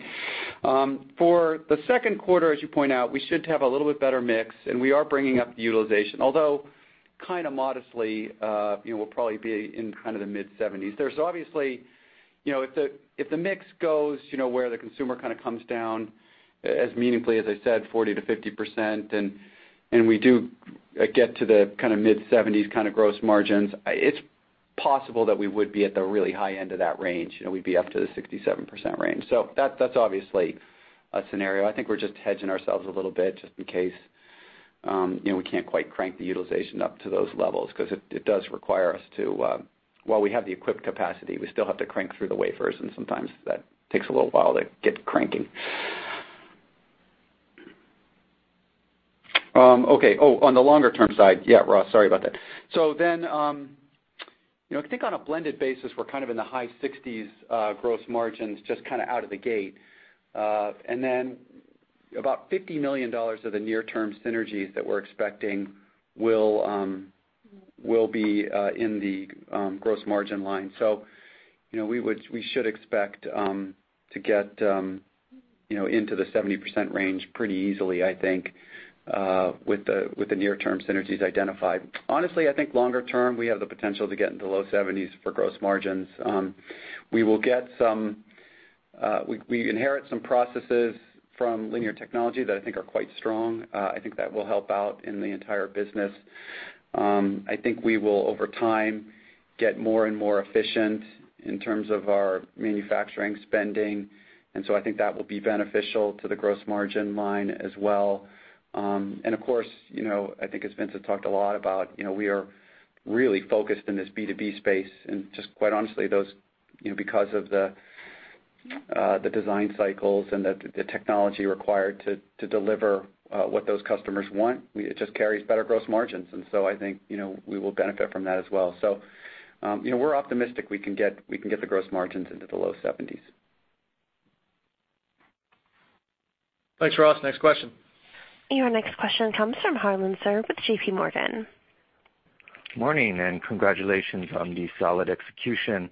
For the second quarter, as you point out, we should have a little bit better mix, and we are bringing up the utilization. Although kind of modestly, we'll probably be in kind of the mid-70s. If the mix goes where the consumer kind of comes down as meaningfully as I said, 40%-50%, and we do get to the kind of mid-70s kind of gross margins, it's possible that we would be at the really high end of that range. We'd be up to the 67% range. That's obviously a scenario. I think we're just hedging ourselves a little bit just in case we can't quite crank the utilization up to those levels because it does require us to While we have the equipped capacity, we still have to crank through the wafers, and sometimes that takes a little while to get cranking. On the longer term side. Yeah, Ross, sorry about that. I think on a blended basis, we're kind of in the high 60s gross margins, just kind of out of the gate. About $50 million of the near-term synergies that we're expecting will be in the gross margin line. We should expect to get into the 70% range pretty easily, I think, with the near-term synergies identified. Honestly, I think longer term, we have the potential to get into low 70s for gross margins. We inherit some processes from Linear Technology that I think are quite strong. I think that will help out in the entire business. I think we will, over time, get more and more efficient in terms of our manufacturing spending. I think that will be beneficial to the gross margin line as well. I think as Vince has talked a lot about, we are really focused in this B2B space, and just quite honestly, because of the design cycles and the technology required to deliver what those customers want, it just carries better gross margins. I think we will benefit from that as well. We're optimistic we can get the gross margins into the low 70s. Thanks, Ross. Next question. Your next question comes from Harlan Sur with JP Morgan. Morning. Congratulations on the solid execution.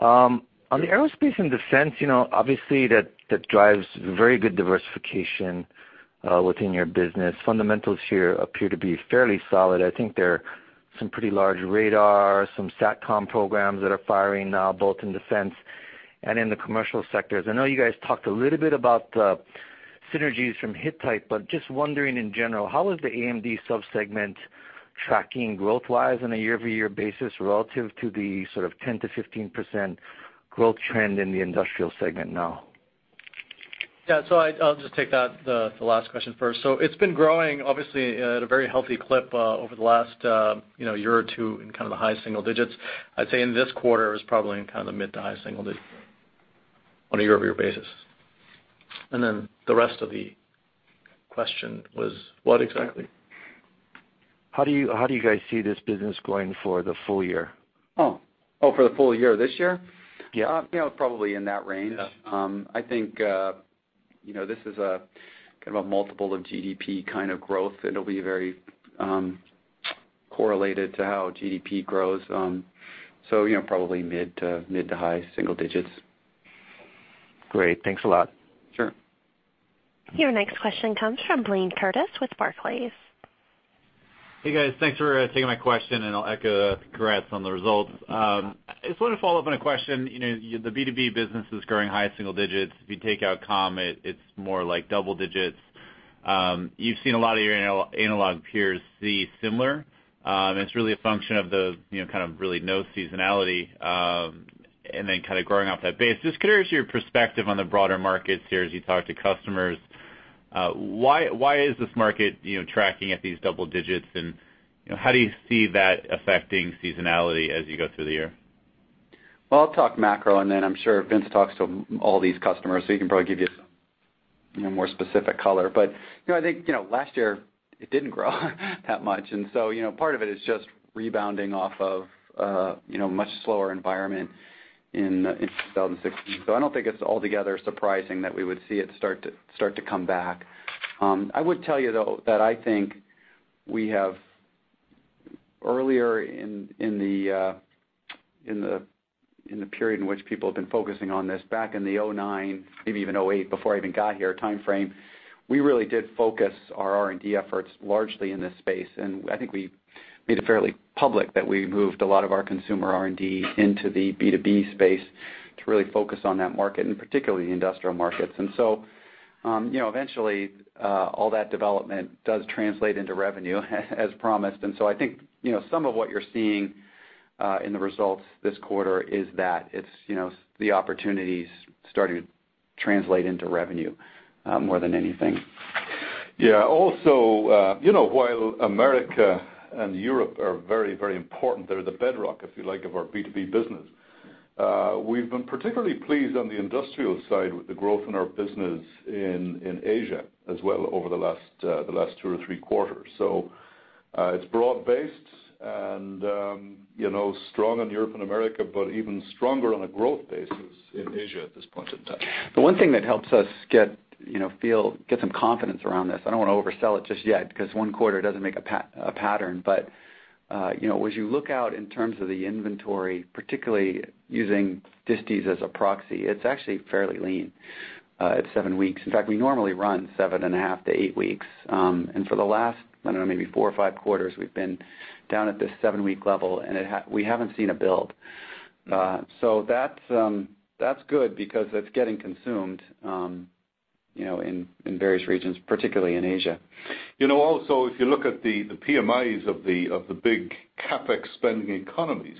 On the Aerospace and Defense, obviously, that drives very good diversification within your business. Fundamentals here appear to be fairly solid. I think there are some pretty large radar, some SATCOM programs that are firing now, both in defense and in the commercial sectors. I know you guys talked a little bit about the synergies from Hittite, but just wondering in general, how is the A&D sub-segment tracking growth-wise on a year-over-year basis relative to the sort of 10%-15% growth trend in the industrial segment now? Yeah. I'll just take that, the last question first. It's been growing, obviously, at a very healthy clip over the last year or two in kind of the high single digits. I'd say in this quarter is probably in kind of the mid to high single digits on a year-over-year basis. The rest of the question was what exactly? How do you guys see this business going for the full year? For the full year this year? Yeah. Probably in that range. Yeah. I think this is a kind of a multiple of GDP kind of growth, and it'll be very correlated to how GDP grows. Probably mid to high single digits. Great. Thanks a lot. Sure. Your next question comes from Blayne Curtis with Barclays. Hey, guys. Thanks for taking my question. I'll echo congrats on the results. I just wanted to follow up on a question. The B2B business is growing high single digits. If you take out comm, it's more like double digits. You've seen a lot of your analog peers see similar, and it's really a function of the kind of really no seasonality, and then kind of growing off that base. Just curious your perspective on the broader markets here as you talk to customers. Why is this market tracking at these double digits, and how do you see that affecting seasonality as you go through the year? Well, I'll talk macro, and then I'm sure Vince talks to all these customers, so he can probably give you some more specific color. I think last year it didn't grow that much. Part of it is just rebounding off of a much slower environment in 2016. I don't think it's altogether surprising that we would see it start to come back. I would tell you, though, that I think we have earlier in the period in which people have been focusing on this, back in the 2009, maybe even 2008, before I even got here timeframe, we really did focus our R&D efforts largely in this space. I think we made it fairly public that we moved a lot of our consumer R&D into the B2B space to really focus on that market, and particularly the industrial markets. Eventually, all that development does translate into revenue as promised. I think some of what you're seeing in the results this quarter is that it's the opportunities starting to translate into revenue more than anything. Also, while America and Europe are very, very important, they're the bedrock, if you like, of our B2B business. We've been particularly pleased on the industrial side with the growth in our business in Asia as well over the last two or three quarters. It's broad-based and strong in Europe and America, but even stronger on a growth basis in Asia at this point in time. The one thing that helps us get some confidence around this, I don't want to oversell it just yet, because one quarter doesn't make a pattern, but as you look out in terms of the inventory, particularly using distis as a proxy, it's actually fairly lean at seven weeks. In fact, we normally run seven and a half to eight weeks. For the last, I don't know, maybe four or five quarters, we've been down at this seven-week level, and we haven't seen a build. That's good because it's getting consumed in various regions, particularly in Asia. Also, if you look at the PMIs of the big CapEx spending economies,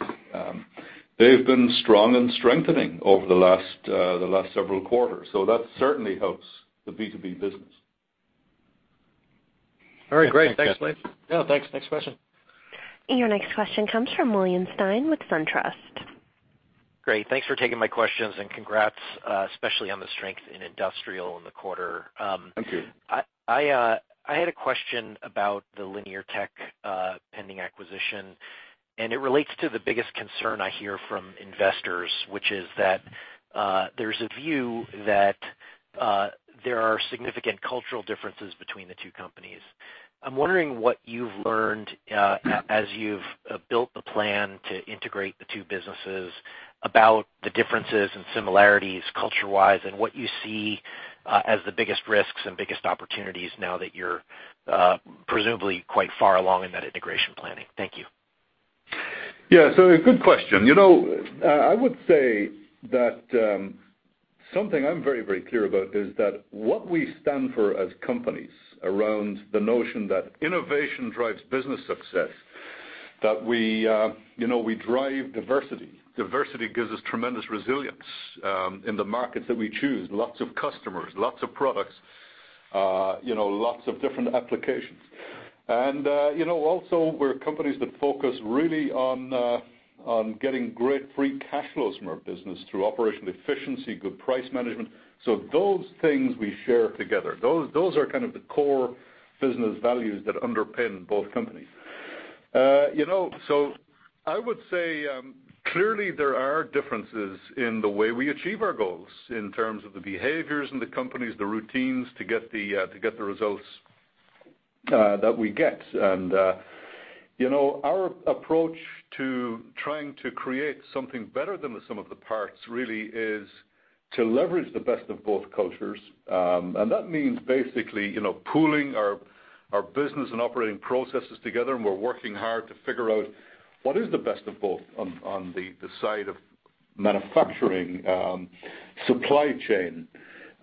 they've been strong and strengthening over the last several quarters. That certainly helps the B2B business. All right. Great. Thanks. Yeah, thanks. Next question. Your next question comes from William Stein with SunTrust. Great. Thanks for taking my questions and congrats, especially on the strength in industrial in the quarter. Thank you. I had a question about the Linear Tech pending acquisition. It relates to the biggest concern I hear from investors, which is that there's a view that there are significant cultural differences between the two companies. I'm wondering what you've learned as you've built the plan to integrate the two businesses about the differences and similarities culture-wise, and what you see as the biggest risks and biggest opportunities now that you're presumably quite far along in that integration planning. Thank you. A good question. I would say that something I'm very clear about is that what we stand for as companies around the notion that innovation drives business success, that we drive diversity. Diversity gives us tremendous resilience in the markets that we choose. Lots of customers. Lots of products. Lots of different applications. Also, we're companies that focus really on getting great free cash flows from our business through operational efficiency, good price management. Those things we share together. Those are kind of the core business values that underpin both companies. I would say, clearly there are differences in the way we achieve our goals in terms of the behaviors in the companies, the routines to get the results that we get. Our approach to trying to create something better than the sum of the parts really is to leverage the best of both cultures. That means basically pooling our business and operating processes together. We're working hard to figure out what is the best of both on the side of manufacturing, supply chain.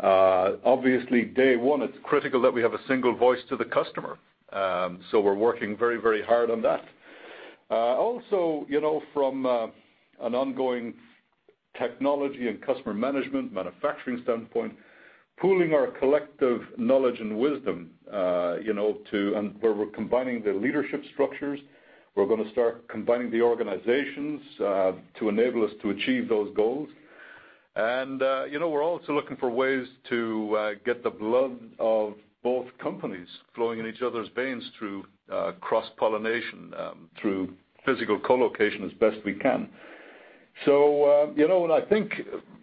Obviously day one, it's critical that we have a single voice to the customer. We're working very hard on that. Also from an ongoing technology and customer management, manufacturing standpoint, pooling our collective knowledge and wisdom. We're combining the leadership structures. We're going to start combining the organizations to enable us to achieve those goals. We're also looking for ways to get the blood of both companies flowing in each other's veins through cross-pollination, through physical co-location as best we can. I think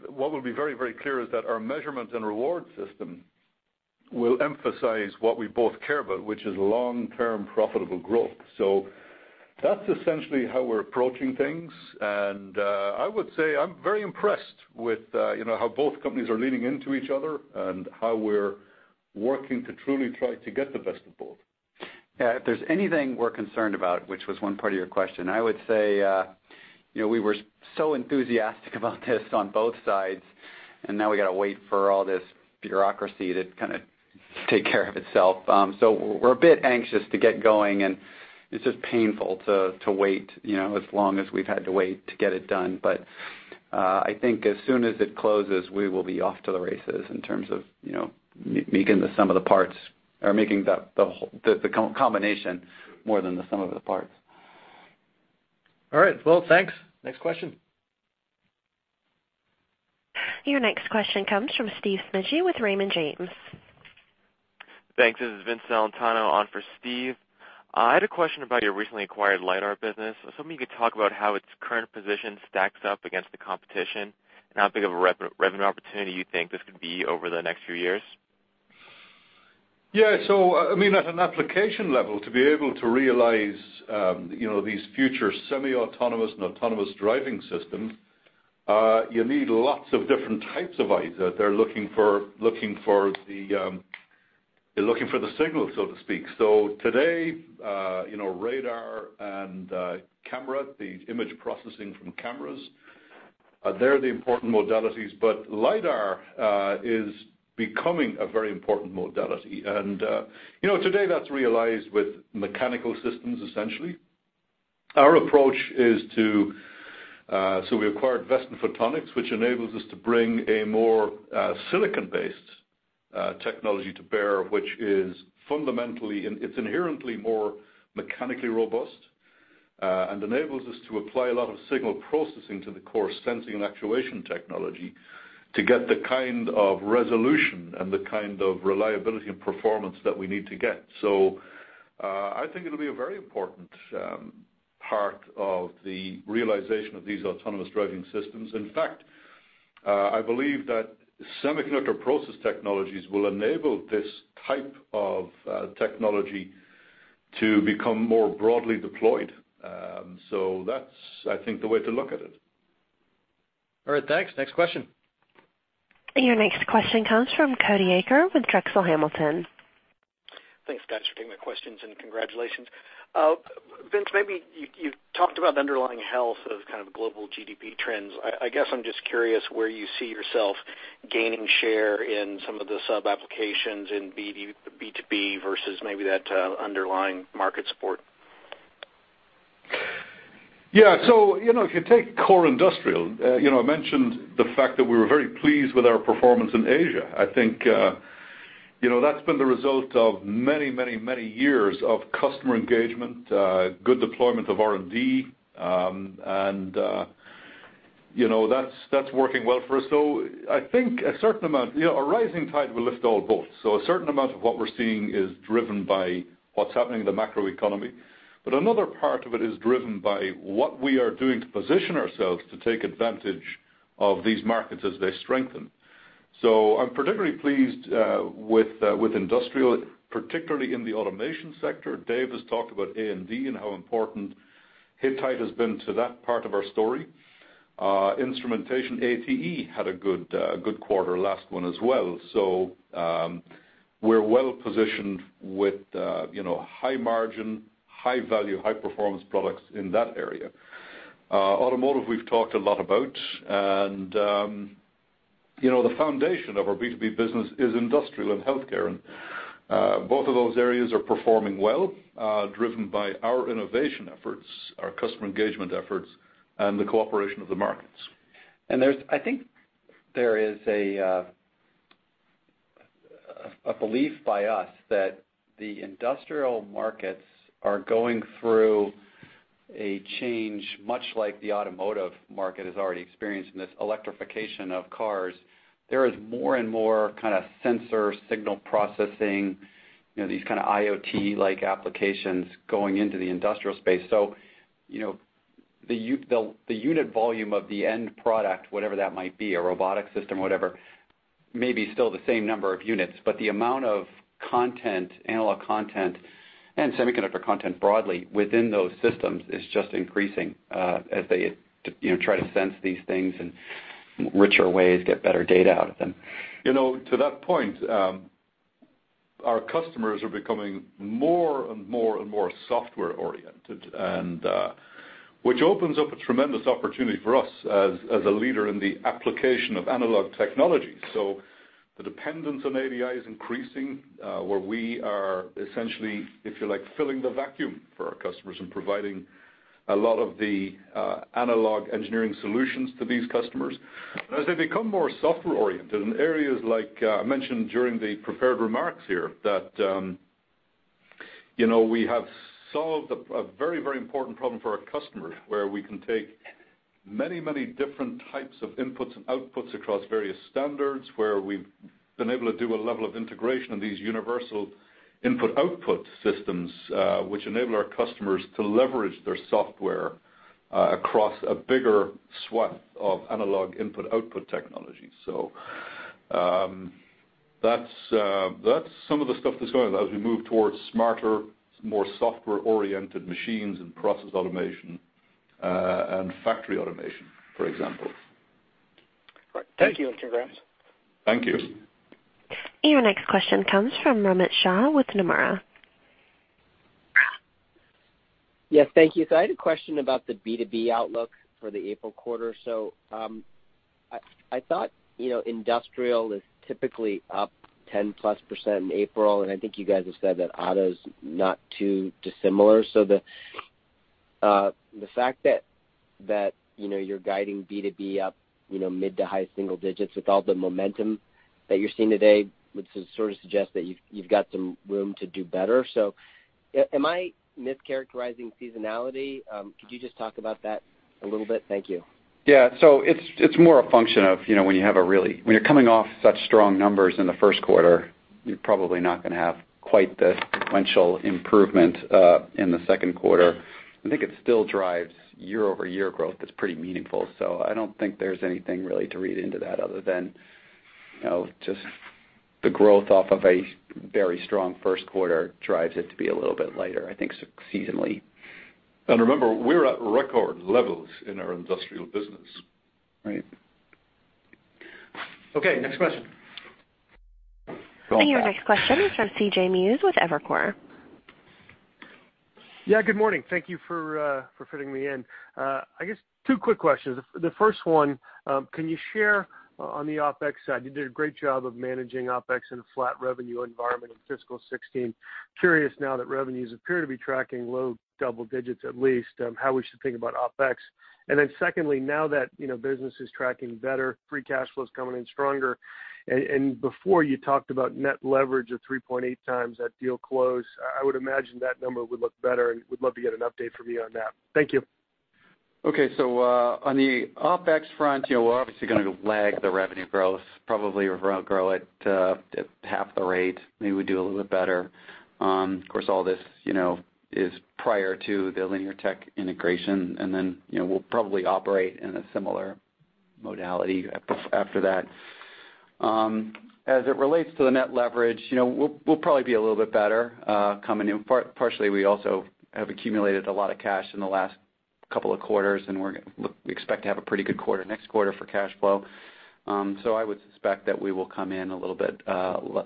what will be very clear is that our measurement and reward system will emphasize what we both care about, which is long-term profitable growth. That's essentially how we're approaching things. I would say I'm very impressed with how both companies are leaning into each other and how we're working to truly try to get the best of both. Yeah, if there's anything we're concerned about, which was one part of your question, I would say we were so enthusiastic about this on both sides, and now we got to wait for all this bureaucracy to kind of take care of itself. We're a bit anxious to get going, and it's just painful to wait as long as we've had to wait to get it done. I think as soon as it closes, we will be off to the races in terms of making the sum of the parts or making the combination more than the sum of the parts. All right. Well, thanks. Next question. Your next question comes from Steve Smigie with Raymond James. Thanks. This is Vince Amalfitano on for Steve. I had a question about your recently acquired LiDAR business. I was hoping you could talk about how its current position stacks up against the competition and how big of a revenue opportunity you think this could be over the next few years. Yeah. At an application level, to be able to realize these future semi-autonomous and autonomous driving systems, you need lots of different types of eyes that they're looking for the signal, so to speak. Today, radar and camera, the image processing from cameras, they're the important modalities. LiDAR is becoming a very important modality. Today that's realized with mechanical systems, essentially. We acquired Vescent Photonics, which enables us to bring a more silicon-based technology to bear, which is fundamentally and it's inherently more mechanically robust and enables us to apply a lot of signal processing to the core sensing and actuation technology to get the kind of resolution and the kind of reliability and performance that we need to get. I think it'll be a very important part of the realization of these autonomous driving systems. In fact, I believe that semiconductor process technologies will enable this type of technology to become more broadly deployed. That's, I think, the way to look at it. All right. Thanks. Next question. Your next question comes from Cody Acree with Drexel Hamilton. Thanks, guys, for taking my questions. Congratulations. Vince, maybe you've talked about the underlying health of kind of global GDP trends. I guess I'm just curious where you see yourself gaining share in some of the sub-applications in B2B versus maybe that underlying market support. If you take core industrial, I mentioned the fact that we were very pleased with our performance in Asia. I think that's been the result of many years of customer engagement, good deployment of R&D, and that's working well for us. I think A rising tide will lift all boats. A certain amount of what we're seeing is driven by what's happening in the macro economy. Another part of it is driven by what we are doing to position ourselves to take advantage of these markets as they strengthen. I'm particularly pleased with industrial, particularly in the automation sector. Dave has talked about A&D and how important Hittite has been to that part of our story. Instrumentation ATE had a good quarter last one as well. We're well-positioned with high margin, high value, high performance products in that area. Automotive, we've talked a lot about. The foundation of our B2B business is industrial and healthcare, both of those areas are performing well, driven by our innovation efforts, our customer engagement efforts, and the cooperation of the markets. I think there is a belief by us that the industrial markets are going through a change much like the automotive market has already experienced in this electrification of cars. There is more and more kind of sensor signal processing, these kind of IoT-like applications going into the industrial space. The unit volume of the end product, whatever that might be, a robotic system, whatever, may be still the same number of units, but the amount of analog content and semiconductor content broadly within those systems is just increasing as they try to sense these things in richer ways, get better data out of them. To that point, our customers are becoming more and more software oriented, which opens up a tremendous opportunity for us as a leader in the application of analog technology. The dependence on ADI is increasing, where we are essentially, if you like, filling the vacuum for our customers and providing a lot of the analog engineering solutions to these customers. As they become more software-oriented in areas like I mentioned during the prepared remarks here that we have solved a very important problem for our customers, where we can take many different types of inputs and outputs across various standards, where we've been able to do a level of integration of these universal input-output systems, which enable our customers to leverage their software, across a bigger swath of analog input-output technology. That's some of the stuff that's going on as we move towards smarter, more software-oriented machines and process automation, and factory automation, for example. All right. Thank you, and congrats. Thank you. Your next question comes from Romit Shah with Nomura. Yes, thank you. I had a question about the B2B outlook for the April quarter. I thought industrial is typically up 10+% in April, and I think you guys have said that auto's not too dissimilar. The fact that you're guiding B2B up mid to high single digits with all the momentum that you're seeing today would sort of suggest that you've got some room to do better. Am I mischaracterizing seasonality? Could you just talk about that a little bit? Thank you. Yeah. It's more a function of when you're coming off such strong numbers in the first quarter, you're probably not going to have quite the sequential improvement in the second quarter. I think it still drives year-over-year growth that's pretty meaningful. I don't think there's anything really to read into that other than just the growth off of a very strong first quarter drives it to be a little bit lighter, I think, seasonally. Remember, we're at record levels in our industrial business. Right. Okay, next question. Your next question is from C.J. Muse with Evercore. Good morning. Thank you for fitting me in. I guess two quick questions. The first one, can you share on the OpEx side? You did a great job of managing OpEx in a flat revenue environment in fiscal 2016. Curious now that revenues appear to be tracking low double digits at least, how we should think about OpEx. Then secondly, now that business is tracking better, free cash flow's coming in stronger, and before you talked about net leverage of 3.8 times at deal close, I would imagine that number would look better, and would love to get an update from you on that. Thank you. Okay. On the OpEx front, we're obviously going to lag the revenue growth probably around half the rate. Maybe we do a little bit better. Of course, all this is prior to the Linear Tech integration, then we'll probably operate in a similar modality after that. As it relates to the net leverage, we'll probably be a little bit better, coming in. Partially, we also have accumulated a lot of cash in the last couple of quarters, and we expect to have a pretty good quarter next quarter for cash flow. I would suspect that we will come in a little bit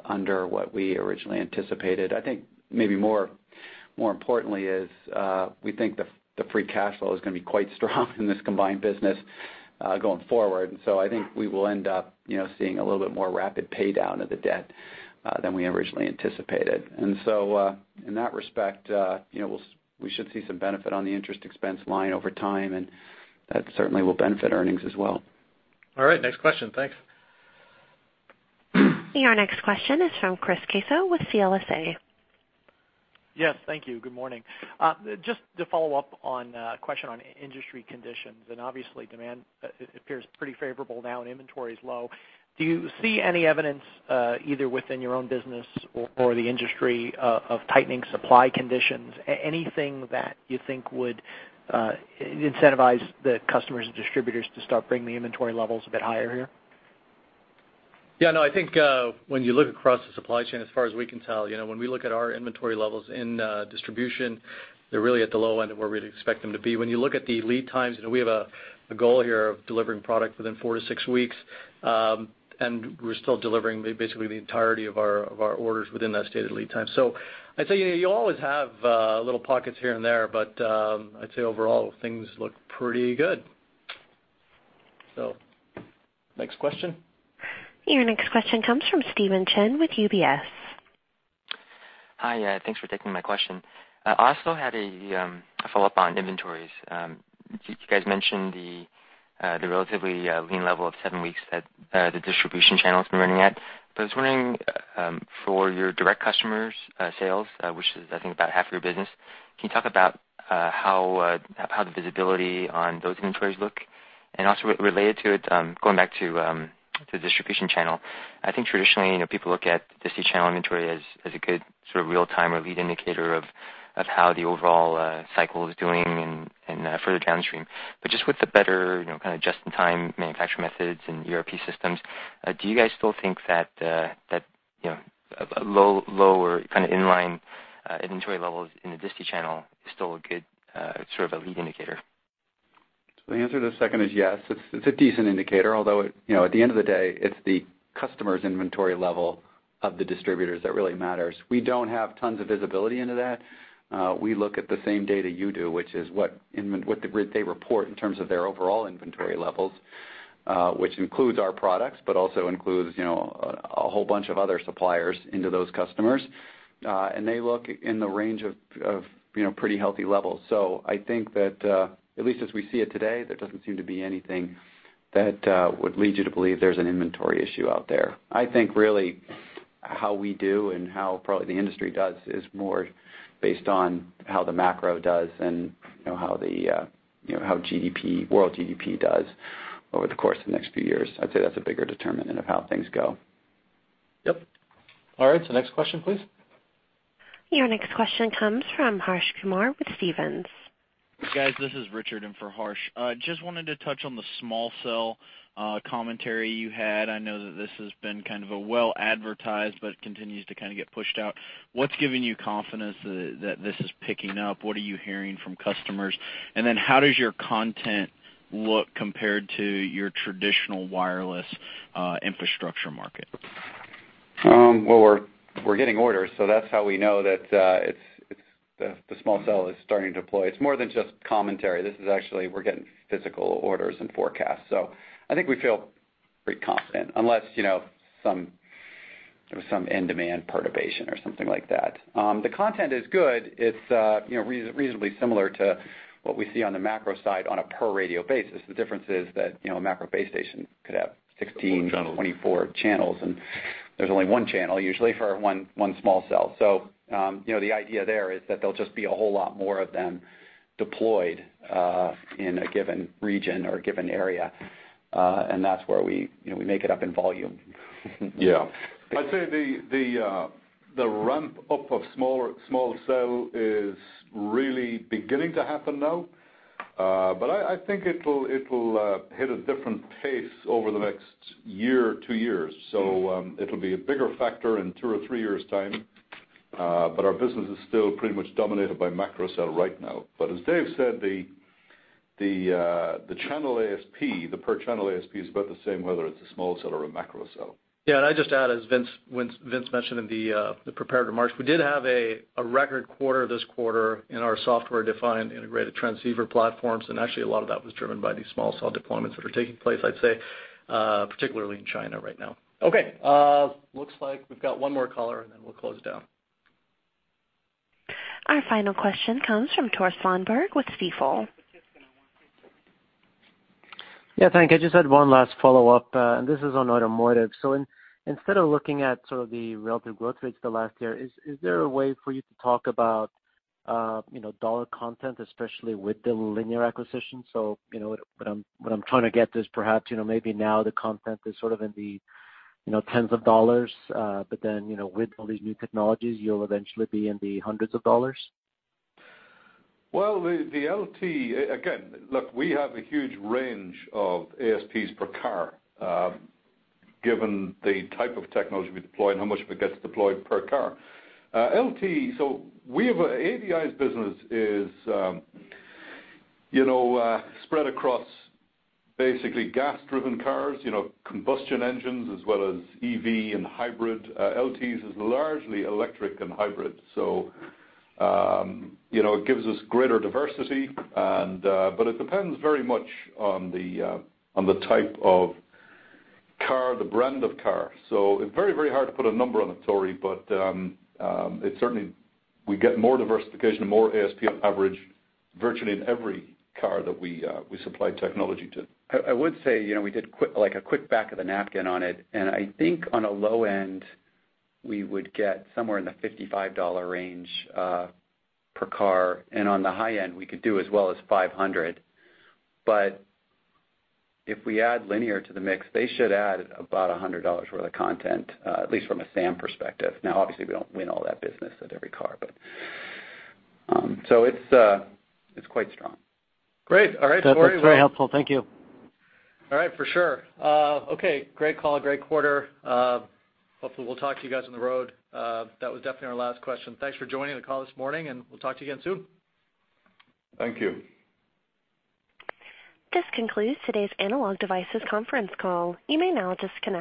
under what we originally anticipated. I think maybe more importantly is, we think the free cash flow is going to be quite strong in this combined business going forward. I think we will end up seeing a little bit more rapid pay down of the debt than we originally anticipated. In that respect, we should see some benefit on the interest expense line over time, and that certainly will benefit earnings as well. All right, next question. Thanks. Your next question is from Chris Caso with CLSA. Yes, thank you. Good morning. Just to follow up on a question on industry conditions, obviously demand appears pretty favorable now and inventory is low. Do you see any evidence, either within your own business or the industry, of tightening supply conditions? Anything that you think would incentivize the customers and distributors to start bringing the inventory levels a bit higher here? I think when you look across the supply chain, as far as we can tell, when we look at our inventory levels in distribution, they're really at the low end of where we'd expect them to be. When you look at the lead times, we have a goal here of delivering product within four to six weeks, and we're still delivering basically the entirety of our orders within that stated lead time. I'd say, you always have little pockets here and there, but I'd say overall things look pretty good. Next question. Your next question comes from Steve Chen with UBS. Hi. Thanks for taking my question. I also had a follow-up on inventories. You guys mentioned the relatively lean level of seven weeks that the distribution channel's been running at. I was wondering, for your direct customers' sales, which is, I think, about half of your business, can you talk about how the visibility on those inventories look? Also related to it, going back to the disti channel, I think traditionally, people look at disti channel inventory as a good sort of real time or lead indicator of how the overall cycle is doing and further downstream. Just with the better kind of just-in-time manufacture methods and ERP systems, do you guys still think that lower kind of inline inventory levels in the disti channel is still a good sort of a lead indicator? The answer to the second is yes. It's a decent indicator, although, at the end of the day, it's the customer's inventory level of the distributors that really matters. We don't have tons of visibility into that. We look at the same data you do, which is what they report in terms of their overall inventory levels, which includes our products, but also includes a whole bunch of other suppliers into those customers. They look in the range of pretty healthy levels. I think that, at least as we see it today, there doesn't seem to be anything that would lead you to believe there's an inventory issue out there. I think really how we do and how probably the industry does is more based on how the macro does and how world GDP does over the course of the next few years. I'd say that's a bigger determinant of how things go. Yep. All right, next question, please. Your next question comes from Harsh Kumar with Stephens. Guys, this is Richard in for Harsh. Wanted to touch on the small cell commentary you had. I know that this has been kind of well advertised, but continues to kind of get pushed out. What's giving you confidence that this is picking up? What are you hearing from customers? How does your content look compared to your traditional wireless infrastructure market? Well, we're getting orders, so that's how we know that the small cell is starting to deploy. It's more than just commentary. This is actually, we're getting physical orders and forecasts. I think we feel pretty confident, unless there was some end demand perturbation or something like that. The content is good. It's reasonably similar to what we see on the macro side on a per radio basis. The difference is that a macro base station could have 16- More channels 24 channels, and there's only one channel usually for one small cell. The idea there is that there'll just be a whole lot more of them deployed, in a given region or a given area. That's where we make it up in volume. Yeah. I'd say the ramp-up of small cell is really beginning to happen now. I think it'll hit a different pace over the next year or two years. It'll be a bigger factor in two or three years' time. Our business is still pretty much dominated by micro cell right now. As Dave said, the per channel ASP is about the same, whether it's a small cell or a micro cell. I'd just add, as Vince mentioned in the prepared remarks, we did have a record quarter this quarter in our software-defined integrated transceiver platforms, and actually a lot of that was driven by these small cell deployments that are taking place, I'd say, particularly in China right now. Okay. Looks like we've got one more caller, and then we'll close it down. Our final question comes from Tore Svanberg with Stifel. Yeah, thanks. I just had one last follow-up. This is on automotive. Instead of looking at sort of the relative growth rates the last year, is there a way for you to talk about dollar content, especially with the Linear acquisition? What I'm trying to get to is perhaps, maybe now the content is sort of in the tens of dollars, but then, with all these new technologies, you'll eventually be in the hundreds of dollars? Well, the LT, again, look, we have a huge range of ASPs per car, given the type of technology we deploy and how much of it gets deployed per car. ADI's business is spread across basically gas-driven cars, combustion engines, as well as EV and hybrid. LT is largely electric and hybrid. It gives us greater diversity, but it depends very much on the type of car, the brand of car. It's very hard to put a number on it, Tor, but certainly, we get more diversification and more ASP on average virtually in every car that we supply technology to. I would say, we did a quick back of the napkin on it, I think on a low end, we would get somewhere in the $55 range per car, on the high end, we could do as well as $500. If we add Linear to the mix, they should add about $100 worth of content, at least from a SAM perspective. Obviously, we don't win all that business at every car, but it's quite strong. Great. All right, Tor. That's very helpful. Thank you. All right, for sure. Okay, great call. Great quarter. Hopefully we'll talk to you guys on the road. That was definitely our last question. Thanks for joining the call this morning, and we'll talk to you again soon. Thank you. This concludes today's Analog Devices conference call. You may now disconnect.